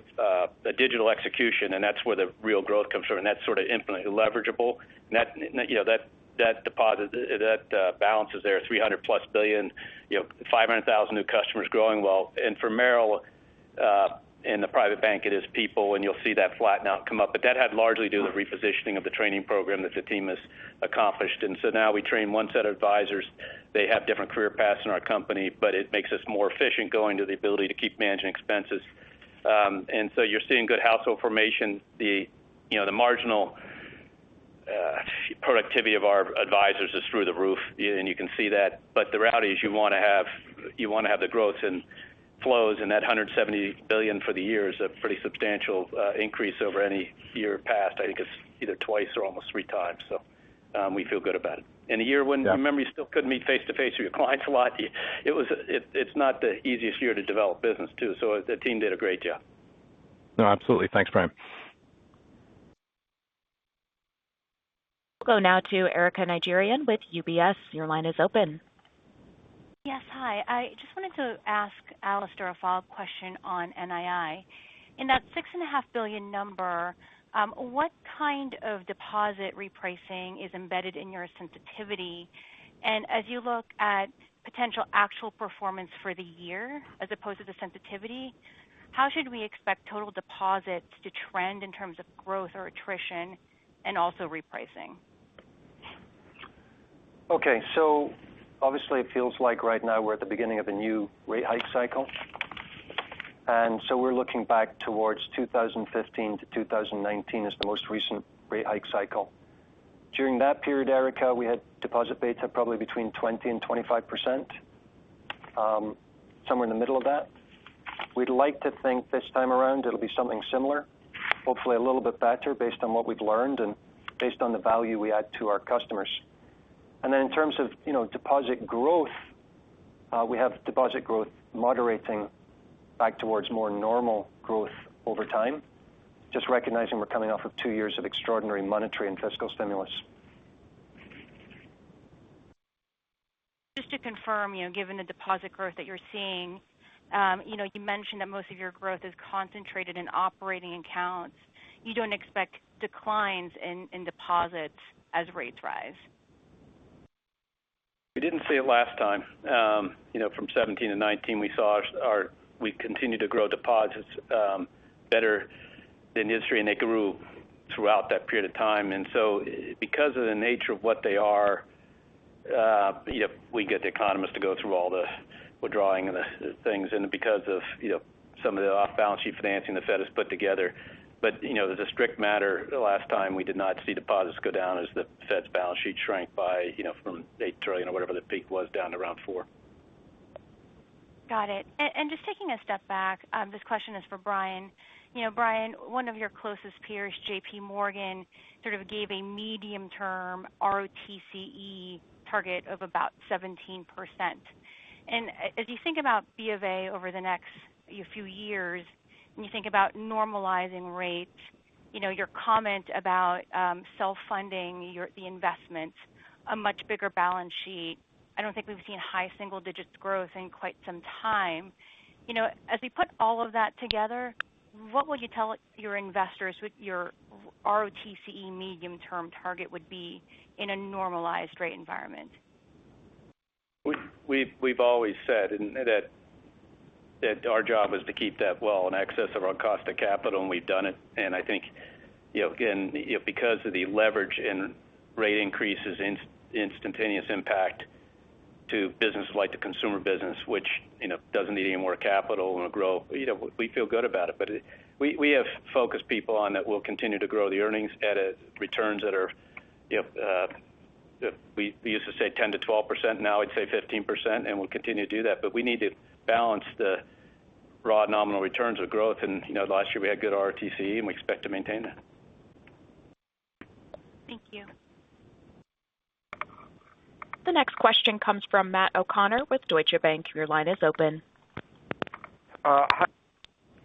digital execution, and that's where the real growth comes from. That's sort of infinitely leverageable. that deposit balance is there, $300+ billion 500,000 new customers growing well. For Merrill, in the private bank, it is people, and you'll see that flatten out and come up. That had largely to do with repositioning of the training program that the team has accomplished. Now we train one set of advisors. They have different career paths in our company, but it makes us more efficient going to the ability to keep managing expenses. You're seeing good household formation. You know, the marginal productivity of our advisors is through the roof, and you can see that. The reality is you wanna have the growth in flows. That $170 billion for the year is a pretty substantial increase over any year past. I think it's either twice or almost three times. We feel good about it. In a year when- Yeah. Remember, you still couldn't meet face-to-face with your clients a lot, it's not the easiest year to develop business, too. The team did a great job. No, absolutely. Thanks, Brian. We'll go now to Erika Najarian with UBS. Your line is open. Yes. Hi. I just wanted to ask Alastair a follow-up question on NII. In that $6.5 billion number, what kind of deposit repricing is embedded in your sensitivity? And as you look at potential actual performance for the year as opposed to the sensitivity, how should we expect total deposits to trend in terms of growth or attrition and also repricing? Okay. Obviously it feels like right now we're at the beginning of a new rate hike cycle. We're looking back towards 2015 to 2019 as the most recent rate hike cycle. During that period, Erika, we had deposit beta probably between 20%-25%, somewhere in the middle of that. We'd like to think this time around it'll be something similar, hopefully a little bit better based on what we've learned and based on the value we add to our customers. In terms of deposit growth, we have deposit growth moderating back towards more normal growth over time. Just recognizing we're coming off of two years of extraordinary monetary and fiscal stimulus. Just to confirm given the deposit growth that you're seeing you mentioned that most of your growth is concentrated in operating accounts. You don't expect declines in deposits as rates rise. We didn't see it last time. From 17 to 19 we continued to grow deposits better than the industry, and they grew throughout that period of time. Because of the nature of what they are, we get the economists to go through all the withdrawing and the things and because of some of the off-balance sheet financing the Fed has put together. As a strict matter, last time we did not see deposits go down as the Fed's balance sheet shrank from $8 trillion or whatever the peak was down to around $4 trillion. Got it. Just taking a step back, this question is for Brian. You know, Brian, one of your closest peers, JPMorgan, sort of gave a medium-term ROTCE target of about 17%. As you think about B of A over the next few years, and you think about normalizing rates your comment about self-funding the investments, a much bigger balance sheet. I don't think we've seen high single digits growth in quite some time. You know, as we put all of that together, what would you tell your investors what your ROTCE medium-term target would be in a normalized rate environment? We've always said that our job is to keep that well in excess of our cost of capital, and we've done it. I think again because of the leverage and rate increases instantaneous impact to business like the consumer business, which doesn't need any more capital and will grow we feel good about it. We have focused people on that we'll continue to grow the earnings at returns that are we used to say 10%-12%, now I'd say 15%, and we'll continue to do that. We need to balance the raw nominal returns with growth. You know, last year we had good ROTCE, and we expect to maintain that. Thank you. The next question comes from Matt O'Connor with Deutsche Bank. Your line is open.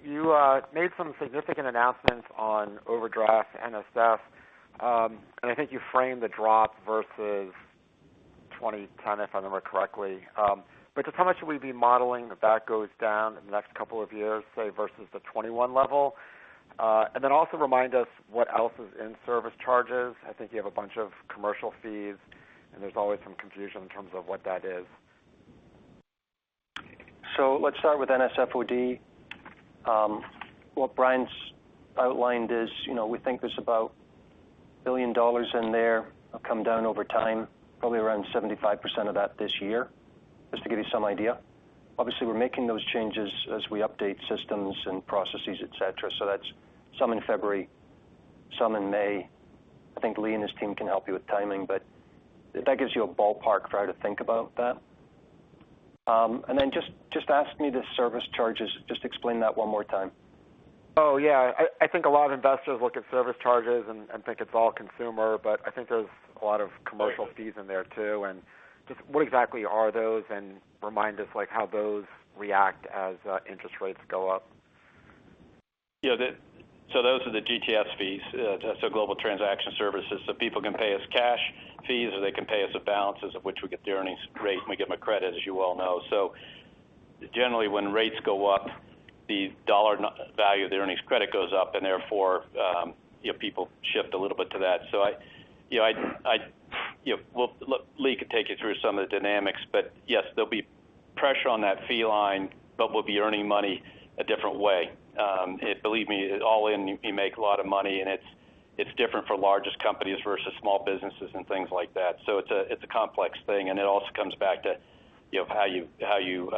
You made some significant announcements on overdraft NSF. I think you framed the drop versus 2010, if I remember correctly. Just how much should we be modeling that goes down in the next couple of years, say versus the 2021 level? Then also remind us what else is in service charges. I think you have a bunch of commercial fees, and there's always some confusion in terms of what that is. Let's start with NSF OD. What Brian's outlined is we think there's about $1 billion in there come down over time, probably around 75% of that this year, just to give you some idea. Obviously, we're making those changes as we update systems and processes, et cetera. That's some in February, some in May. I think Lee and his team can help you with timing, but if that gives you a ballpark try to think about that. And then just ask me the service charges. Just explain that one more time. Oh, yeah. I think a lot of investors look at service charges and think it's all consumer, but I think there's a lot of commercial fees in there too. Just what exactly are those? Remind us, like how those react as interest rates go up. Yeah. Those are the GTS fees. Global Transaction Services. People can pay us cash fees, or they can pay us a balance on which we get the earnings rate, and we get earnings credit, as you all know. Generally, when rates go up, the dollar value of the earnings credit goes up, and therefore people shift a little bit to that. Look, Lee can take you through some of the dynamics, but yes, there'll be pressure on that fee line, but we'll be earning money a different way. Believe me, all in, you make a lot of money, and it's different for largest companies versus small businesses and things like that. It's a complex thing. It also comes back to how you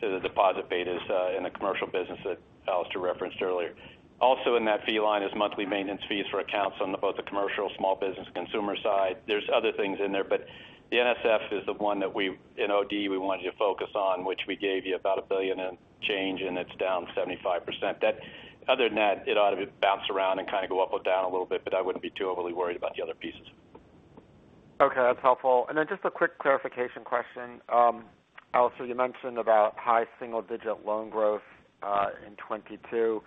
the deposit betas in the commercial business that Alastair referenced earlier. Also in that fee line is monthly maintenance fees for accounts on both the commercial, small business, consumer side. There's other things in there, but the NSF is the one that we in OD we want you to focus on which we gave you about $1 billion and change, and it's down 75%. Other than that, it ought to bounce around and kind of go up or down a little bit, but I wouldn't be too overly worried about the other pieces. Okay, that's helpful. Just a quick clarification question. Alastair, you mentioned about high single digit loan growth in 2022.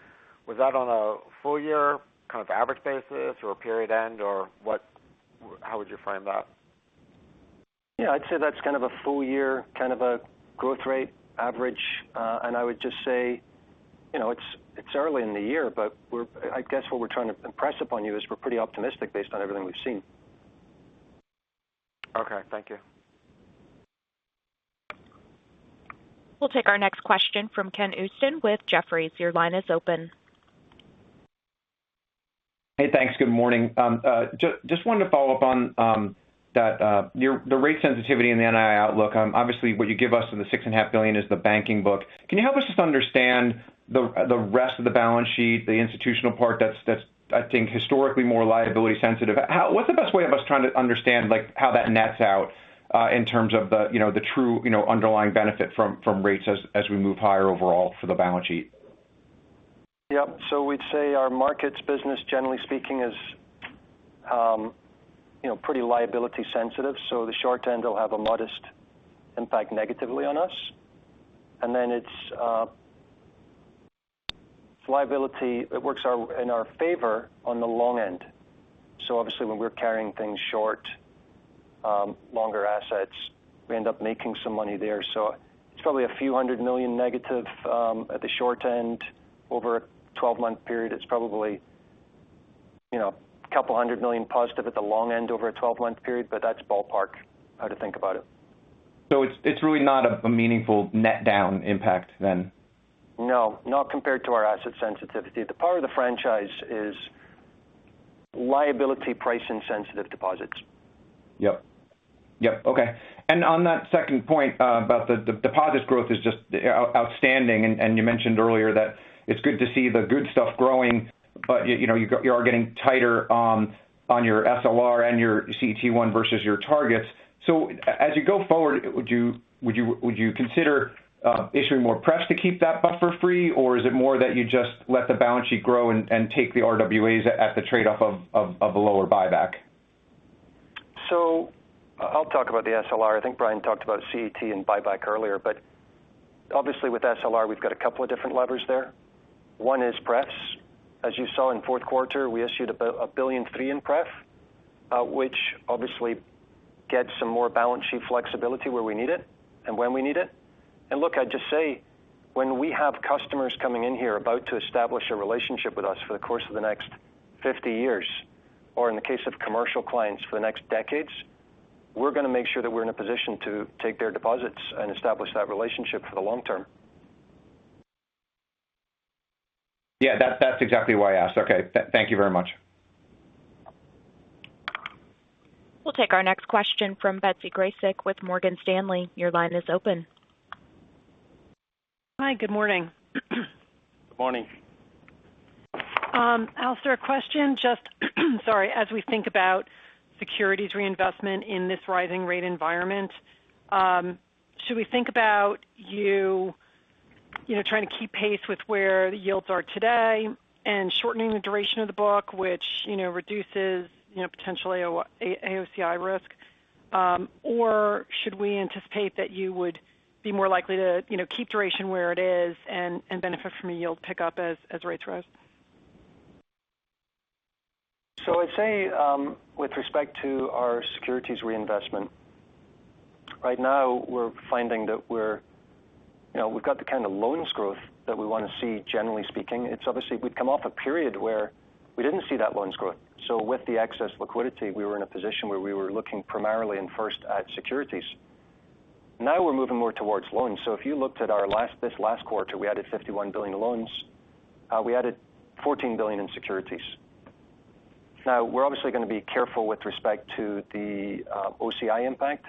Was that on a full year kind of average basis or a period end or what? How would you frame that? Yeah, I'd say that's kind of a full year kind of a growth rate average. I would just say it's early in the year, but I guess what we're trying to impress upon you is we're pretty optimistic based on everything we've seen. Okay. Thank you. We'll take our next question from Kenneth Usdin with Bernsteins Autonomous Research. Your line is open. Hey, thanks. Good morning. Just wanted to follow up on that, the rate sensitivity in the NII outlook. Obviously what you give us in the $6.5 billion is the banking book. Can you help us just understand the rest of the balance sheet, the institutional part that's, I think historically more liability sensitive? What's the best way of us trying to understand like how that nets out, in terms of the the true underlying benefit from rates as we move higher overall for the balance sheet? Yep. We'd say our markets business generally speaking is pretty liability sensitive. The short end will have a modest impact negatively on us. It's liability. It works in our favor on the long end. Obviously when we're carrying things short, longer assets, we end up making some money there. It's probably $ a few hundred million negative at the short end over a 12-month period. It's probably a couple hundred million positive at the long end over a 12-month period. That's ballpark how to think about it. It's really not a meaningful net down impact then? No, not compared to our asset sensitivity. The part of the franchise is liability price insensitive deposits. Yep. Yep. Okay. On that second point, about the deposits growth is just outstanding. You mentioned earlier that it's good to see the good stuff growing, but you know, you are getting tighter on your SLR and your CET1 versus your targets. As you go forward, would you consider issuing more pref to keep that buffer free? Or is it more that you just let the balance sheet grow and take the RWAs at the trade off of a lower buyback? I'll talk about the SLR. I think Brian talked about CET and buyback earlier, but obviously with SLR we've got a couple of different levers there. One is pref. As you saw in Q4, we issued about $1.3 billion in pref, which obviously gets some more balance sheet flexibility where we need it and when we need it. Look, I'd just say when we have customers coming in here about to establish a relationship with us for the course of the next 50 years, or in the case of commercial clients for the next decades, we're gonna make sure that we're in a position to take their deposits and establish that relationship for the long term. Yeah. That's exactly why I asked. Okay. Thank you very much. We'll take our next question from Betsy Graseck with Morgan Stanley. Your line is open. Hi. Good morning. Good morning. Alastair, a question just, sorry, as we think about securities reinvestment in this rising rate environment, should we think about you know, trying to keep pace with where the yields are today and shortening the duration of the book, which reduces potentially AOCI risk? Or should we anticipate that you would be more likely to keep duration where it is and benefit from a yield pickup as rates rise? I'd say, with respect to our securities reinvestment, right now we're finding that we're we've got the kind of loans growth that we wanna see generally speaking. It's obviously we've come off a period where we didn't see that loans growth. With the excess liquidity, we were in a position where we were looking primarily and first at securities. Now we're moving more towards loans. If you looked at this last quarter, we added $51 billion in loans. We added $14 billion in securities. Now we're obviously gonna be careful with respect to the OCI impact.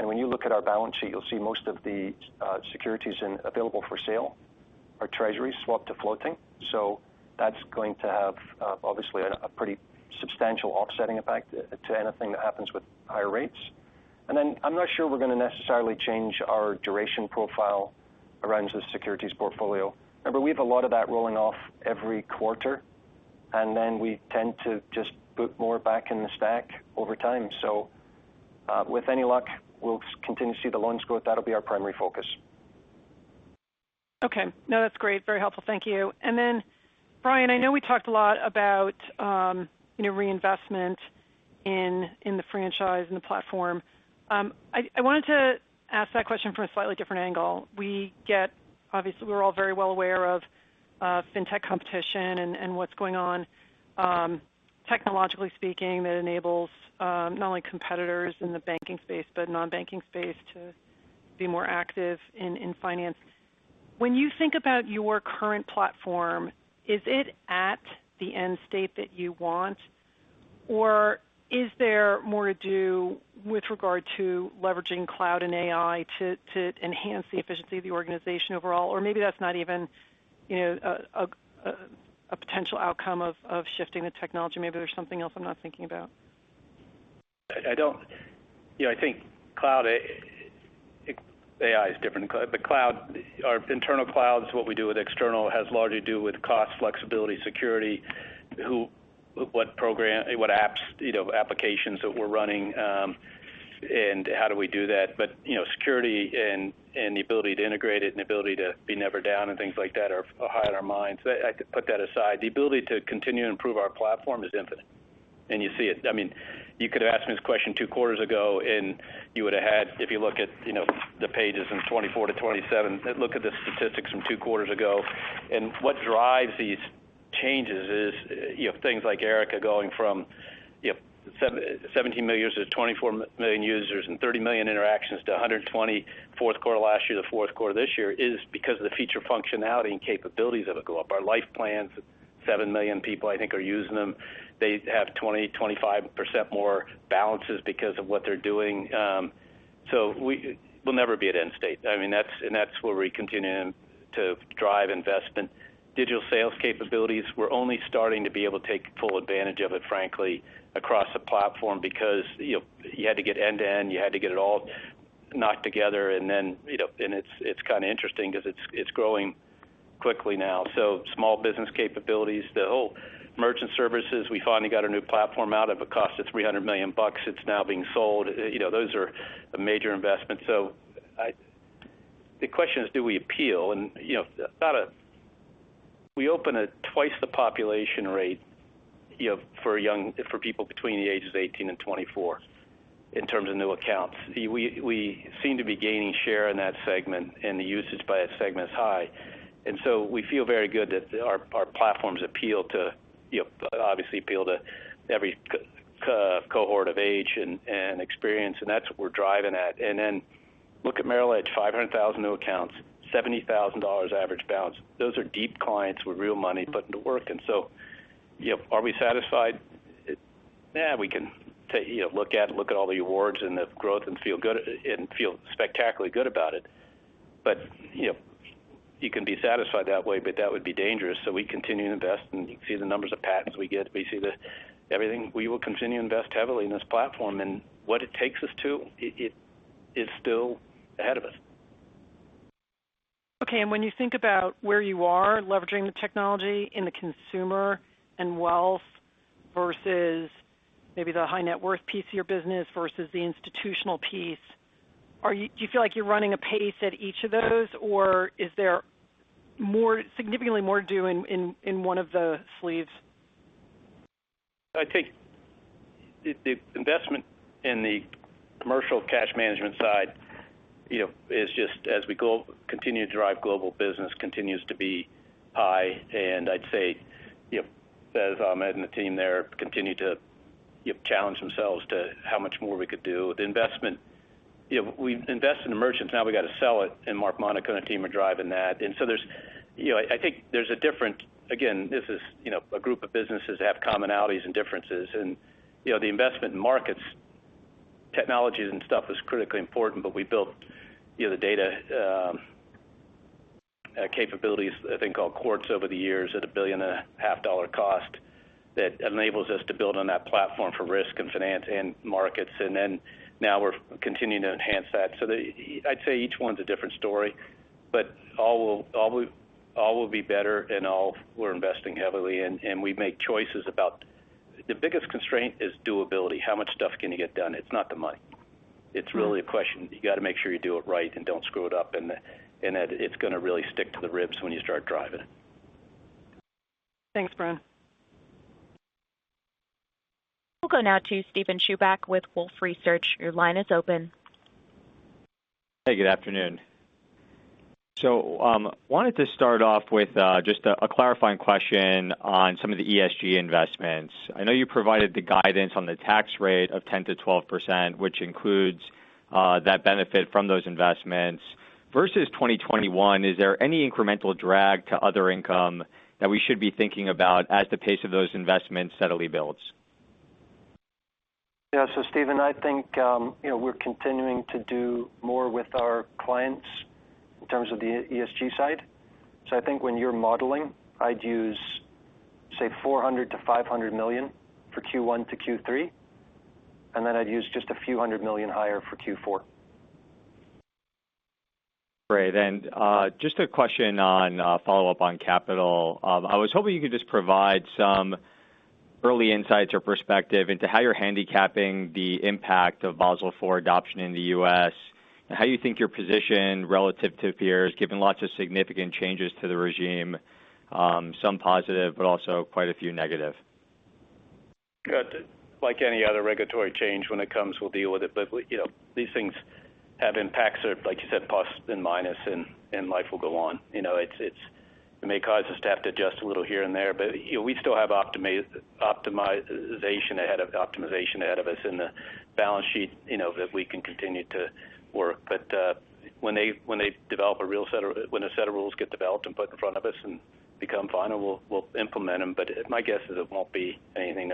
When you look at our balance sheet, you'll see most of the securities in available-for-sale are treasuries swapped to floating. That's going to have obviously a pretty substantial offsetting effect to anything that happens with higher rates. I'm not sure we're gonna necessarily change our duration profile around the securities portfolio. Remember we have a lot of that rolling off every quarter, and then we tend to just put more back in the stack over time. With any luck we'll continue to see the loan growth. That'll be our primary focus. Okay. No, that's great. Very helpful. Thank you. Brian, I know we talked a lot about reinvestment in the franchise and the platform. I wanted to ask that question from a slightly different angle. Obviously we're all very well aware of fintech competition and what's going on technologically speaking that enables not only competitors in the banking space but non-banking space to be more active in finance. When you think about your current platform, is it at the end state that you want, or is there more to do with regard to leveraging cloud and AI to enhance the efficiency of the organization overall? Or maybe that's not even a potential outcome of shifting the technology. Maybe there's something else I'm not thinking about. I don't. You know, I think cloud, it AI is different. The cloud. Our internal cloud is what we do with external has largely to do with cost, flexibility, security, who, what program, what apps applications that we're running, and how do we do that. You know, security and the ability to integrate it and the ability to be never down and things like that are high on our minds. I could put that aside. The ability to continue to improve our platform is infinite, and you see it. I mean, you could have asked me this question two quarters ago, and you would have had, if you look at the pages 24-27, look at the statistics from two quarters ago. What drives these changes is, you have things like Erica going from 7-17 million users to 24 million users and 30 million interactions to 120 Q4 last year to Q4 this year is because of the feature functionality and capabilities of it go up. Our Life Plan, 7 million people, I think, are using them. They have 20%-25% more balances because of what they're doing. So we'll never be at end state. I mean, that's where we continue to drive investment. Digital sales capabilities, we're only starting to be able to take full advantage of it, frankly, across the platform because you had to get end-to-end, you had to get it all knocked together. then it's growing quickly now. Small business capabilities, the whole merchant services, we finally got a new platform out of a cost of $300 million. It's now being sold. You know, those are a major investment. The question is, do we appeal? You know, we open at twice the population rate for young, for people between the ages of 18 and 24 in terms of new accounts. We seem to be gaining share in that segment, and the usage by that segment is high. We feel very good that our platforms appeal to obviously appeal to every cohort of age and experience, and that's what we're driving at. Then look at Merrill Edge, 500,000 new accounts, $70,000 average balance. Those are deep clients with real money put into work. You know, are we satisfied? We can take look at all the awards and the growth and feel good and feel spectacularly good about it. You know, you can be satisfied that way, but that would be dangerous. We continue to invest, and you can see the numbers of patents we get. We see the everything. We will continue to invest heavily in this platform. What it takes us to, it is still ahead of us. Okay. When you think about where you are leveraging the technology in the consumer and wealth versus maybe the high net worth piece of your business versus the institutional piece, do you feel like you're running apace at each of those, or is there more, significantly more to do in one of the sleeves? I think the investment in the commercial cash management side is just as we continue to drive global business continues to be high. I'd say as Ahmed and the team there continue to challenge themselves to how much more we could do. The investment we've invested in merchants, now we got to sell it, and Mark Monaco and the team are driving that. So there's I think there's a different. Again, this is a group of businesses that have commonalities and differences. You know, the investment in markets, technologies and stuff is critically important. But we built the data capabilities, I think, called Quartz over the years at a $1.5 billion cost that enables us to build on that platform for risk and finance and markets. Then now we're continuing to enhance that. The, I'd say each one's a different story, but all will be better and all we're investing heavily in. We make choices about. The biggest constraint is durability. How much stuff can you get done? It's not the money. It's really a question. You got to make sure you do it right and don't screw it up. That it's going to really stick to the ribs when you start driving. Thanks, Brian. We'll go now to Steven Chubak with Wolfe Research. Your line is open. Hey, good afternoon. Wanted to start off with just a clarifying question on some of the ESG investments. I know you provided the guidance on the tax rate of 10%-12%, which includes that benefit from those investments. Versus 2021, is there any incremental drag to other income that we should be thinking about as the pace of those investments steadily builds? Yeah. Steven, I think we're continuing to do more with our clients in terms of the ESG side. I think when you're modeling, I'd use, say, $400 million-$500 million for Q1 to Q3, and then I'd use just a few hundred million higher for Q4. Great. Just a question on follow up on capital. I was hoping you could just provide some early insights or perspective into how you're handicapping the impact of Basel IV adoption in the U.S. and how you think you're positioned relative to peers, given lots of significant changes to the regime, some positive, but also quite a few negative. Good. Like any other regulatory change when it comes, we'll deal with it. You know, these things have impacts or, like you said, plus and minus and life will go on. You know, it may cause us to have to adjust a little here and there, but we still have optimization ahead of us in the balance sheet that we can continue to work. When a set of rules get developed and put in front of us and become final, we'll implement them. My guess is it won't be anything.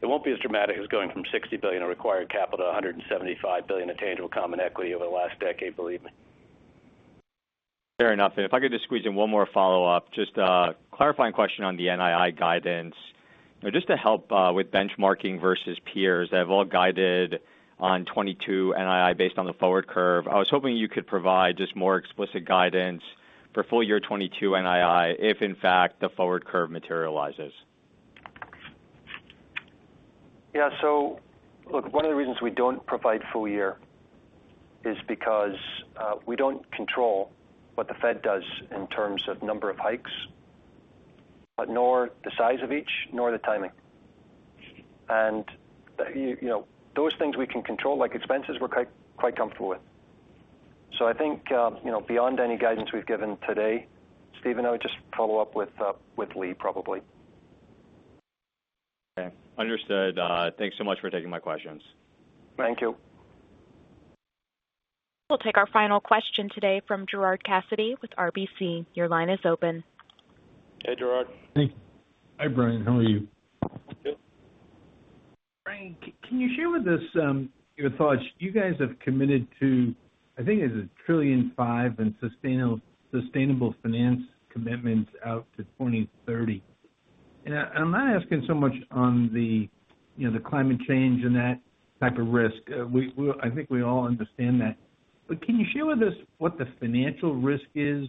It won't be as dramatic as going from $60 billion in required capital to $175 billion in tangible common equity over the last decade, believe me. Fair enough. If I could just squeeze in one more follow-up, just a clarifying question on the NII guidance. Just to help with benchmarking versus peers that have all guided on 2022 NII based on the forward curve. I was hoping you could provide just more explicit guidance for full year 2022 NII if in fact the forward curve materializes. Yeah. Look, one of the reasons we don't provide full year is because we don't control what the Fed does in terms of number of hikes, but nor the size of each, nor the timing. You know, those things we can control, like expenses we're quite comfortable with. I think you know, beyond any guidance we've given today, Steven, I would just follow up with Lee probably. Okay. Understood. Thanks so much for taking my questions. Thank you. We'll take our final question today from Gerard Cassidy with RBC. Your line is open. Hey, Gerard. Hey. Hi, Brian. How are you? Good. Brian, can you share with us your thoughts? You guys have committed to, I think it's $1.5 trillion in sustainable finance commitments out to 2030. I'm not asking so much on the the climate change and that type of risk. I think we all understand that. Can you share with us what the financial risk is?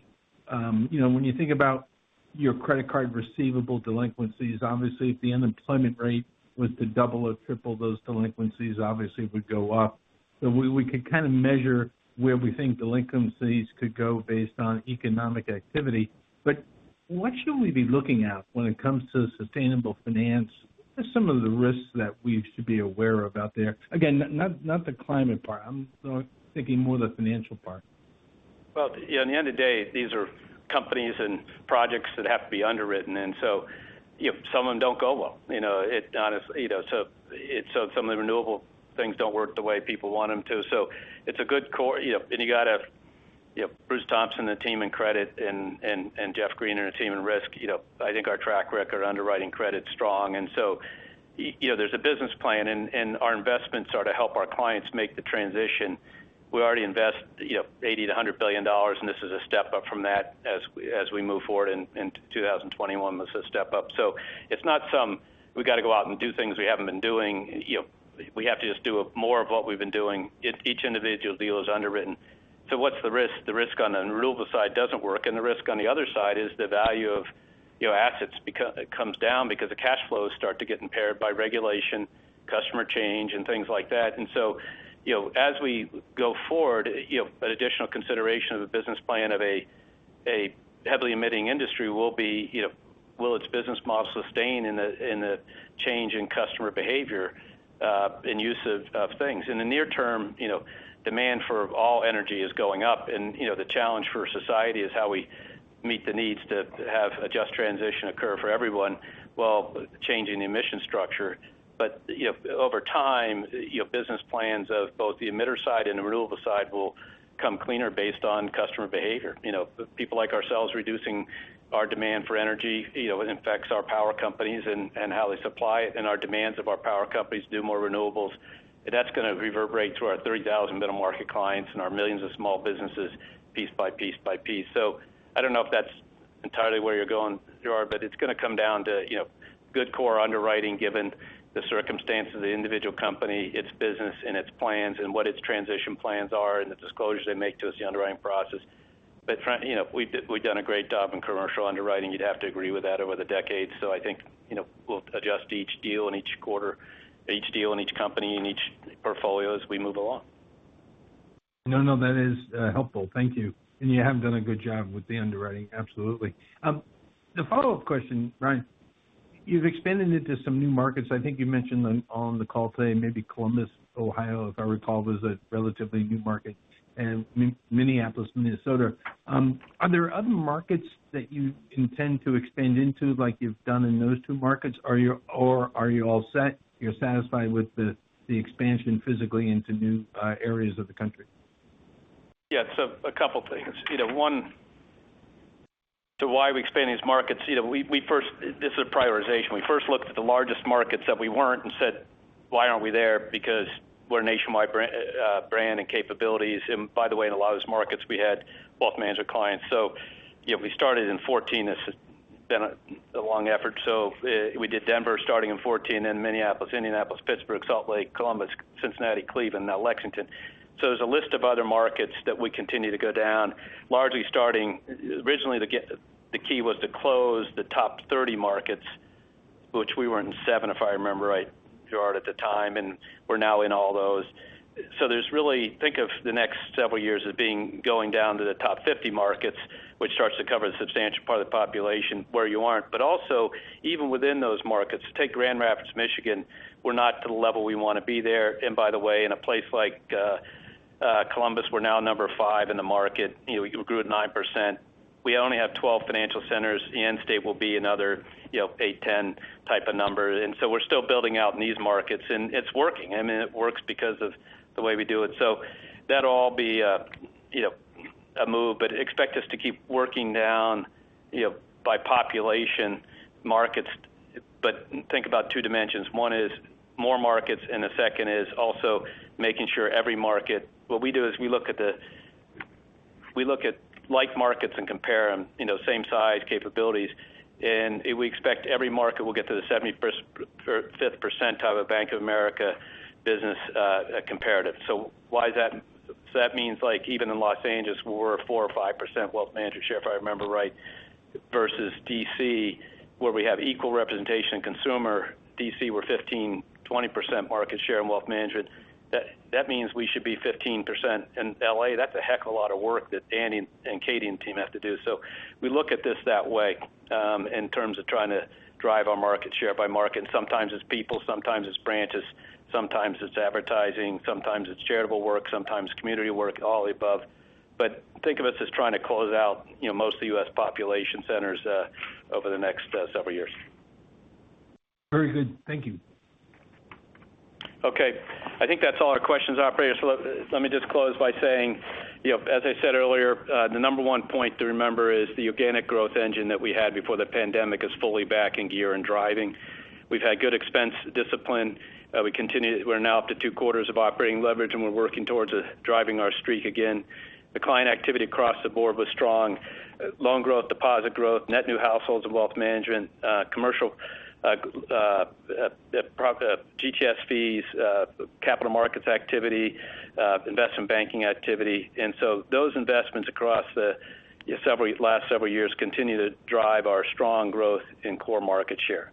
You know, when you think about your credit card receivable delinquencies, obviously if the unemployment rate was to double or triple, those delinquencies obviously would go up. We could kind of measure where we think delinquencies could go based on economic activity. What should we be looking at when it comes to sustainable finance? What are some of the risks that we should be aware of out there? Again, not the climate part. I'm thinking more the financial part. well at the end of the day, these are companies and projects that have to be underwritten. You know, some of them don't go well, you know. You know, some of the renewable things don't work the way people want them to. You know, you got to have Bruce Thompson and the team in credit and Geoffrey Greener and the team in risk. You know, I think our track record underwriting credit's strong. You know, there's a business plan, and our investments are to help our clients make the transition. We already invest $80 billion-$100 billion, and this is a step up from that as we move forward in 2021. This is a step up. It's not some, we got to go out and do things we haven't been doing. You know, we have to just do more of what we've been doing. Each individual deal is underwritten. What's the risk? The risk on the renewable side doesn't work, and the risk on the other side is the value of assets comes down because the cash flows start to get impaired by regulation, customer change and things like that. You know, as we go forward an additional consideration of the business plan of a heavily emitting industry will be will its business model sustain in the change in customer behavior, in use of things. In the near term demand for all energy is going up. You know, the challenge for society is how we meet the needs to have a just transition occur for everyone while changing the emission structure. You know, over time business plans of both the emitter side and the renewable side will come cleaner based on customer behavior. You know, people like ourselves reducing our demand for energy it affects our power companies and how they supply it. Our demands of our power companies do more renewables, that's going to reverberate through our 30,000 middle market clients and our millions of small businesses piece by piece by piece. I don't know if that's entirely where you're going, Gerard, but it's going to come down to good core underwriting given the circumstance of the individual company, its business and its plans, and what its transition plans are, and the disclosures they make to us, the underwriting process. You know, we've done a great job in commercial underwriting. You'd have to agree with that over the decades. I think we'll adjust each deal in each quarter, each deal in each company, in each portfolio as we move along. No, no. That is helpful. Thank you. You have done a good job with the underwriting. Absolutely. The follow-up question, Brian. You've expanded into some new markets. I think you mentioned on the call today maybe Columbus, Ohio, if I recall, was a relatively new market, and Minneapolis, Minnesota. Are there other markets that you intend to expand into like you've done in those two markets? Or are you all set? You're satisfied with the expansion physically into new areas of the country? A couple things. You know, one, to why we expand these markets. You know, we first—this is prioritization. We first looked at the largest markets that we weren't and said, "Why aren't we there?" Because we're a nationwide brand and capabilities. By the way, in a lot of these markets, we had wealth management clients. You know, we started in 2014. This has been a long effort. We did Denver starting in 2014, then Minneapolis, Indianapolis, Pittsburgh, Salt Lake, Columbus, Cincinnati, Cleveland, now Lexington. There's a list of other markets that we continue to go down, largely starting. Originally, the key was to close the top 30 markets, which we were in 7, if I remember right, Gerard, at the time, and we're now in all those. There's really think of the next several years as being going down to the top 50 markets, which starts to cover the substantial part of the population where you aren't. Also even within those markets, take Grand Rapids, Michigan. We're not to the level we want to be there. By the way, in a place like Columbus, we're now number five in the market. You know, we grew at 9%. We only have 12 financial centers. In-state will be another 8, 10 type of number. We're still building out in these markets. It's working. I mean, it works because of the way we do it. That'll all be a a move. Expect us to keep working down by population markets. Think about two dimensions. One is more markets, and the second is also making sure every market. What we do is we look at like markets and compare them same size capabilities. We expect every market will get to the 75th or 50th percentile of a Bank of America business, comparative. Why is that? That means, like even in Los Angeles, we're 4% or 5% wealth management share, if I remember right, versus D.C., where we have equal representation in consumer. D.C., we're 15%-20% market share in wealth management. That means we should be 15% in L.A. That's a heck of a lot of work that Danny and Katie and team have to do. We look at this that way, in terms of trying to drive our market share by market. Sometimes it's people, sometimes it's branches, sometimes it's advertising, sometimes it's charitable work, sometimes community work, all the above. Think of us as trying to close out most of the U.S. population centers over the next several years. Very good. Thank you. Okay. I think that's all our questions, operator. Let me just close by saying as I said earlier, the number one point to remember is the organic growth engine that we had before the pandemic is fully back in gear and driving. We've had good expense discipline. We're now up to two quarters of operating leverage, and we're working towards driving our streak again. The client activity across the board was strong. Loan growth, deposit growth, net new households of wealth management, commercial, GTS fees, capital markets activity, investment banking activity. Those investments across the last several years continue to drive our strong growth in core market share.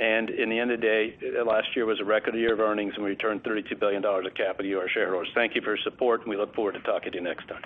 In the end of the day, last year was a record year of earnings, and we returned $32 billion of capital to our shareholders. Thank you for your support, and we look forward to talking to you next time.